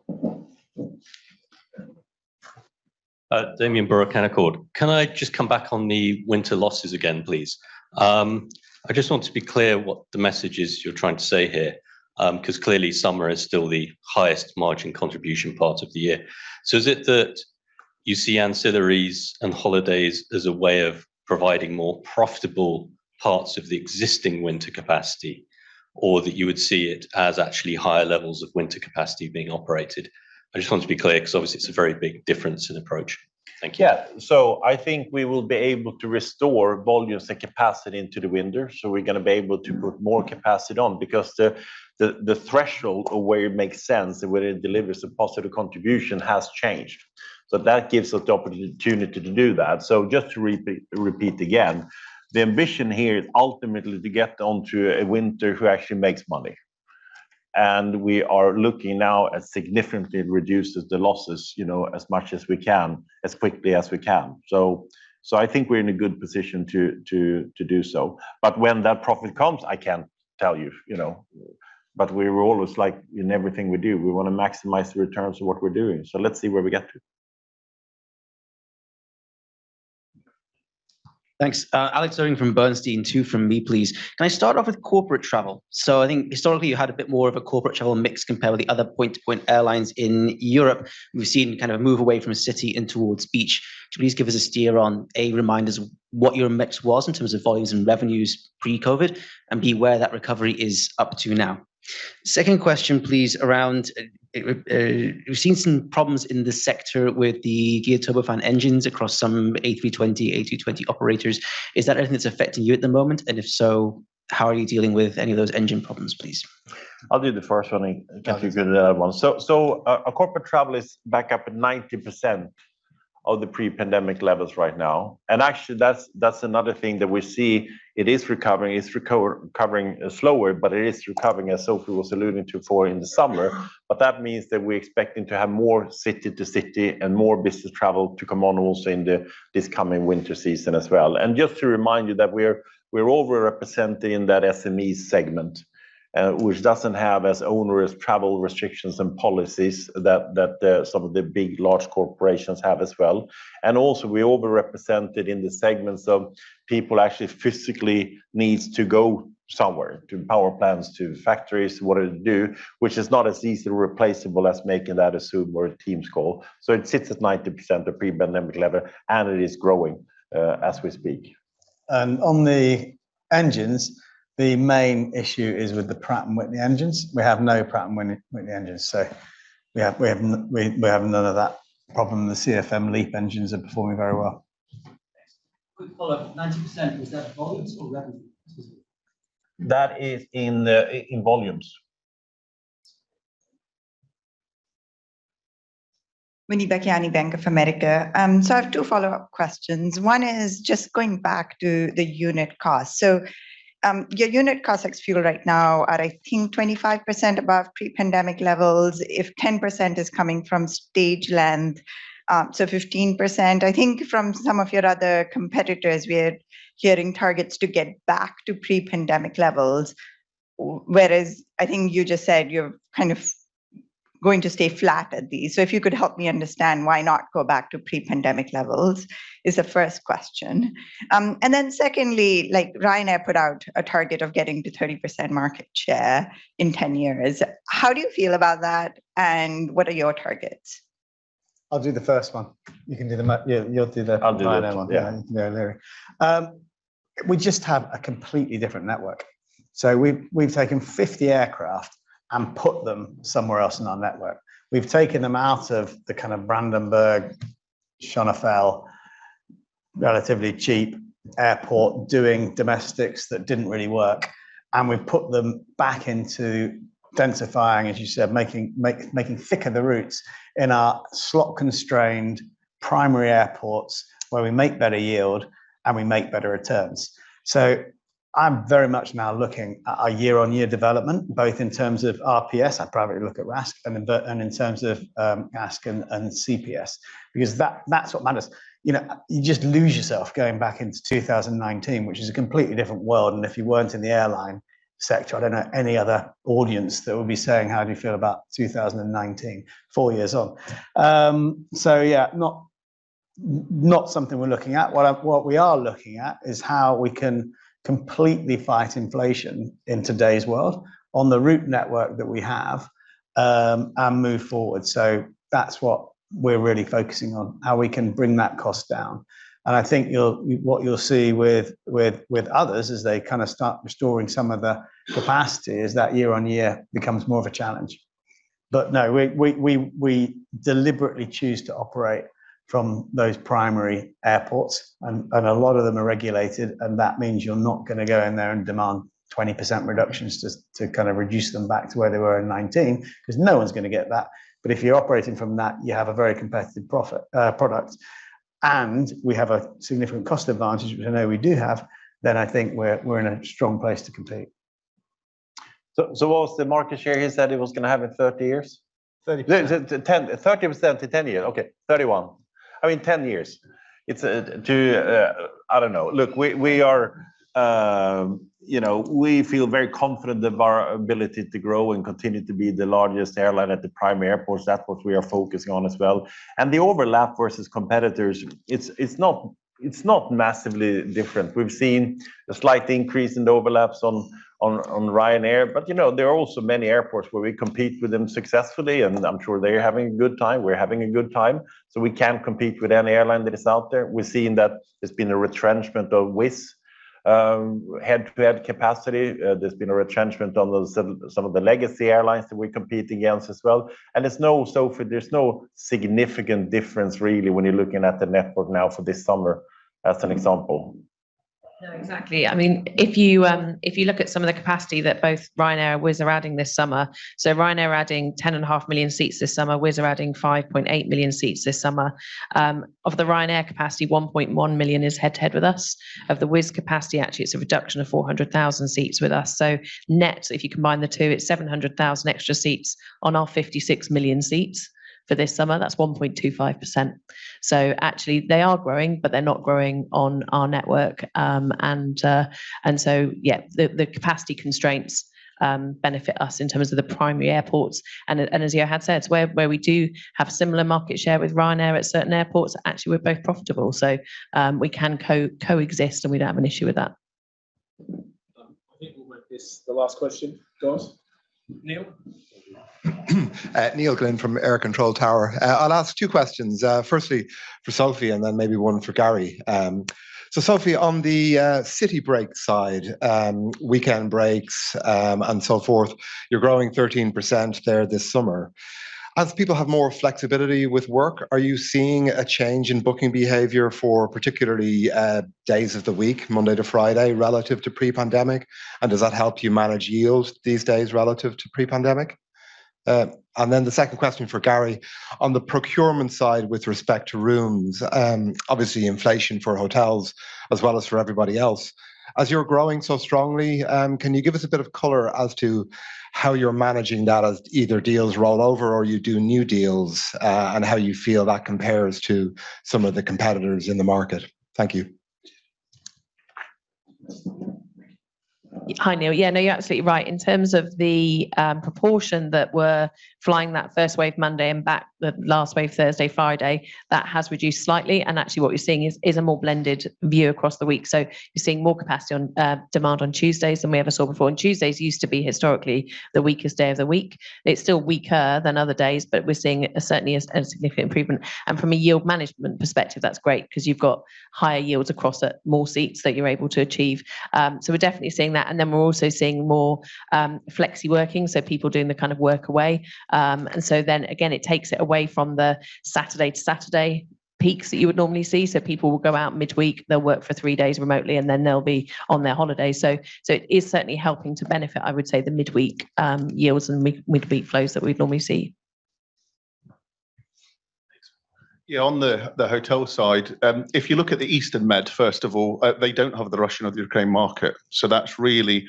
S11: Damian Brewer, Canaccord. Can I just come back on the winter losses again, please? I just want to be clear what the message is you're trying to say here, 'cause clearly summer is still the highest margin contribution part of the year. Is it that you see ancillaries and holidays as a way of providing more profitable parts of the existing winter capacity, or that you would see it as actually higher levels of winter capacity being operated? I just want to be clear 'cause obviously it's a very big difference in approach. Thank you.
S1: Yeah. I think we will be able to restore volumes and capacity into the winter, so we're gonna be able to put more capacity on because the threshold of where it makes sense and where it delivers a positive contribution has changed. That gives us the opportunity to do that. Just to repeat again, the ambition here is ultimately to get onto a winter who actually makes money. We are looking now at significantly reduces the losses, you know, as much as we can, as quickly as we can. I think we're in a good position to do so. When that profit comes, I can't tell you know. We're always like in everything we do, we want to maximize the returns of what we're doing. Let's see where we get to.
S12: Thanks. Alex Irving from Bernstein. 2 from me, please. Can I start off with corporate travel? I think historically you had a bit more of a corporate travel mix compared with the other point to point airlines in Europe. We've seen kind of a move away from city and towards beach. Could you please give us a steer on, A, remind us what your mix was in terms of volumes and revenues pre-COVID, and B, where that recovery is up to now? Second question, please, around, we've seen some problems in the sector with the geared turbofan engines across some A320, A220 operators. Is that anything that's affecting you at the moment? If so, how are you dealing with any of those engine problems, please?
S1: I'll do the first one.
S2: Okay.
S1: Our corporate travel is back up at 90% of the pre-pandemic levels right now. Actually that's another thing that we see it is recovering. It's recovering slower, but it is recovering, as Sophie was alluding to, for in the summer. That means that we're expecting to have more city to city and more business travel to come on also in the this coming winter season as well. Just to remind you that we're over-representing that SME segment, which doesn't have as onerous travel restrictions and policies that some of the big large corporations have as well. we over-represented in the segments of people actually physically needs to go somewhere, to power plants, to factories, whatever they do, which is not as easily replaceable as making that a Zoom or a Teams call. it sits at 90% of pre-pandemic level, and it is growing as we speak.
S2: On the engines, the main issue is with the Pratt & Whitney engines. We have no Pratt & Whitney engines, so we have none of that problem. The CFM LEAP engines are performing very well.
S12: Thanks.
S13: Quick follow-up. 90%, is that volumes or revenue specifically?
S1: That is in the volumes.
S14: I have two follow-up questions. One is just going back to the unit cost. Your unit cost ex fuel right now are I think 25% above pre-pandemic levels. If 10% is coming from stage length, 15%. I think from some of your other competitors, we're hearing targets to get back to pre-pandemic levels. Whereas I think you just said you're kind of going to stay flat at these. If you could help me understand why not go back to pre-pandemic levels is the first question. Secondly, like Ryanair put out a target of getting to 30% market share in 10 years. How do you feel about that, and what are your targets?
S2: I'll do the first one. You can do yeah, you'll do.
S1: I'll do that.
S2: Ryanair one.
S1: Yeah.
S2: Yeah. We just have a completely different network. We've taken 50 aircraft and put them somewhere else in our network. We've taken them out of the kind of Brandenburg, Schönefeld, relatively cheap airport doing domestics that didn't really work, and we've put them back into densifying, as you said, making thicker the routes in our slot-constrained primary airports where we make better yield and we make better returns. I'm very much now looking at our year-on-year development, both in terms of RPS, I'd probably look at RASK, and in terms of ASK and CPS because that's what matters. You know, you just lose yourself going back into 2019, which is a completely different world, and if you weren't in the airline sector, I don't know any other audience that would be saying, "How do you feel about 2019?" Four years on. yeah, not something we're looking at. What we are looking at is how we can completely fight inflation in today's world on the route network that we have, and move forward. That's what we're really focusing on, how we can bring that cost down. I think you'll, what you'll see with others as they kind of start restoring some of the capacity is that year-over-year becomes more of a challenge. No, we deliberately choose to operate from those primary airports. A lot of them are regulated, and that means you're not gonna go in there and demand 20% reductions just to kind of reduce them back to where they were in '19 'cause no one's gonna get that. If you're operating from that, you have a very competitive profit product, and we have a significant cost advantage, which I know we do have, then I think we're in a strong place to compete.
S1: What was the market share he said he was gonna have in 30 years?
S2: 30%.
S15: Ten, 30% to 10 year. Okay, 31. I mean, 10 years. It's... I don't know. Look, we are, you know, we feel very confident of our ability to grow and continue to be the largest airline at the primary airports. That's what we are focusing on as well. The overlap versus competitors, it's not massively different. We've seen a slight increase in the overlaps on Ryanair. You know, there are also many airports where we compete with them successfully, and I'm sure they're having a good time. We're having a good time. We can compete with any airline that is out there. We're seeing that there's been a retrenchment of Wizz, head-to-head capacity. There's been a retrenchment on some of the legacy airlines that we're competing against as well. There's no Sophie, there's no significant difference really when you're looking at the network now for this summer as an example.
S9: No, exactly. I mean, if you, if you look at some of the capacity that both Ryanair and Wizz are adding this summer, Ryanair are adding 10.5 million seats this summer. Wizz are adding 5.8 million seats this summer. Of the Ryanair capacity, 1.1 million is head-to-head with us. Of the Wizz capacity, actually, it's a reduction of 400,000 seats with us. Net, if you combine the two, it's 700,000 extra seats on our 56 million seats for this summer. That's 1.25%. Actually, they are growing, but they're not growing on our network, and yeah, the capacity constraints benefit us in terms of the primary airports. As Johan said, where we do have similar market share with Ryanair at certain airports, actually, we're both profitable. We can coexist, and we don't have an issue with that.
S3: I think we'll make this the last question. Go on. Neil.
S11: R Control Tower. I will ask two questions. Firstly, for Sophie, and then maybe one for Garry. Sophie, on the city break side, weekend breaks, and so forth, you are growing 13% there this summer. As people have more flexibility with work, are you seeing a change in booking behavior for particularly days of the week, Monday to Friday, relative to pre-pandemic? Does that help you manage yields these days relative to pre-pandemic? Then the second question for Garry On the procurement side with respect to rooms, obviously inflation for hotels as well as for everybody else, as you're growing so strongly, can you give us a bit of color as to how you're managing that as either deals roll over or you do new deals, and how you feel that compares to some of the competitors in the market? Thank you.
S9: Hi, Neil. Yeah, no, you're absolutely right. In terms of the proportion that we're flying that first wave Monday and back the last wave Thursday, Friday, that has reduced slightly, and actually what we're seeing is a more blended view across the week. You're seeing more capacity on demand on Tuesdays than we ever saw before. Tuesdays used to be historically the weakest day of the week. It's still weaker than other days, but we're seeing certainly a significant improvement. From a yield management perspective, that's great because you've got higher yields across it, more seats that you're able to achieve. We're definitely seeing that. We're also seeing more flexi working, so people doing the kind of work away. It takes it away from the Saturday to Saturday peaks that you would normally see. People will go out midweek, they'll work for three days remotely, and then they'll be on their holiday. It is certainly helping to benefit, I would say, the midweek yields and midweek flows that we'd normally see.
S11: Thanks.
S15: On the hotel side, if you look at the Eastern Med, first of all, they don't have the Russian or the Ukraine market. That's really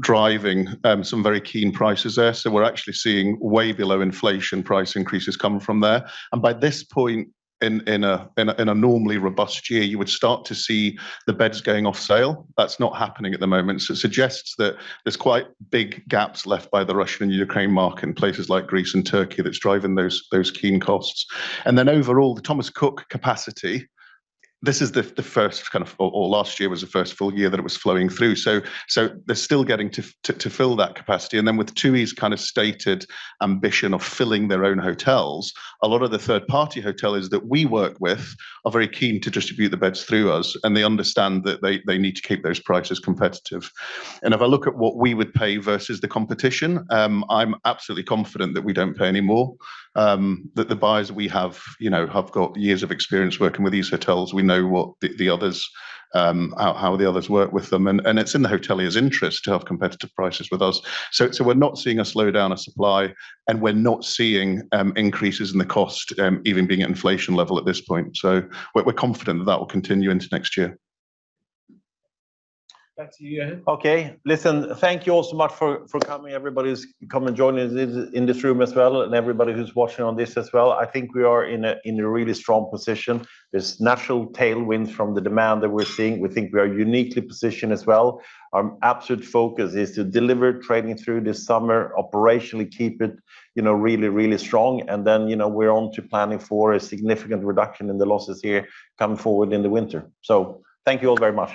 S15: driving some very keen prices there. We're actually seeing way below inflation price increases coming from there. By this point in a, in a, in a normally robust year, you would start to see the beds going off sale. That's not happening at the moment. It suggests that there's quite big gaps left by the Russian and Ukraine market in places like Greece and Turkey that's driving those keen costs. Overall, the Thomas Cook capacity, this is the first kind of last year was the first full year that it was flowing through. They're still getting to fill that capacity. With TUI's kind of stated ambition of filling their own hotels, a lot of the third-party hoteliers that we work with are very keen to distribute the beds through us, and they understand that they need to keep those prices competitive. If I look at what we would pay versus the competition, I'm absolutely confident that we don't pay any more, that the buyers we have, you know, have got years of experience working with these hotels. We know what the others, how the others work with them. It's in the hotelier's interest to have competitive prices with us. We're not seeing a slowdown of supply, and we're not seeing increases in the cost, even being at inflation level at this point. We're confident that that will continue into next year.
S3: Back to you, Johan.
S1: Okay. Listen, thank you all so much for coming. Everybody who's come and joined us in this room as well and everybody who's watching on this as well. I think we are in a really strong position. There's natural tailwinds from the demand that we're seeing. We think we are uniquely positioned as well. Our absolute focus is to deliver trading through this summer, operationally keep it, you know, really, really strong. you know, we're on to planning for a significant reduction in the losses here coming forward in the winter. Thank you all very much.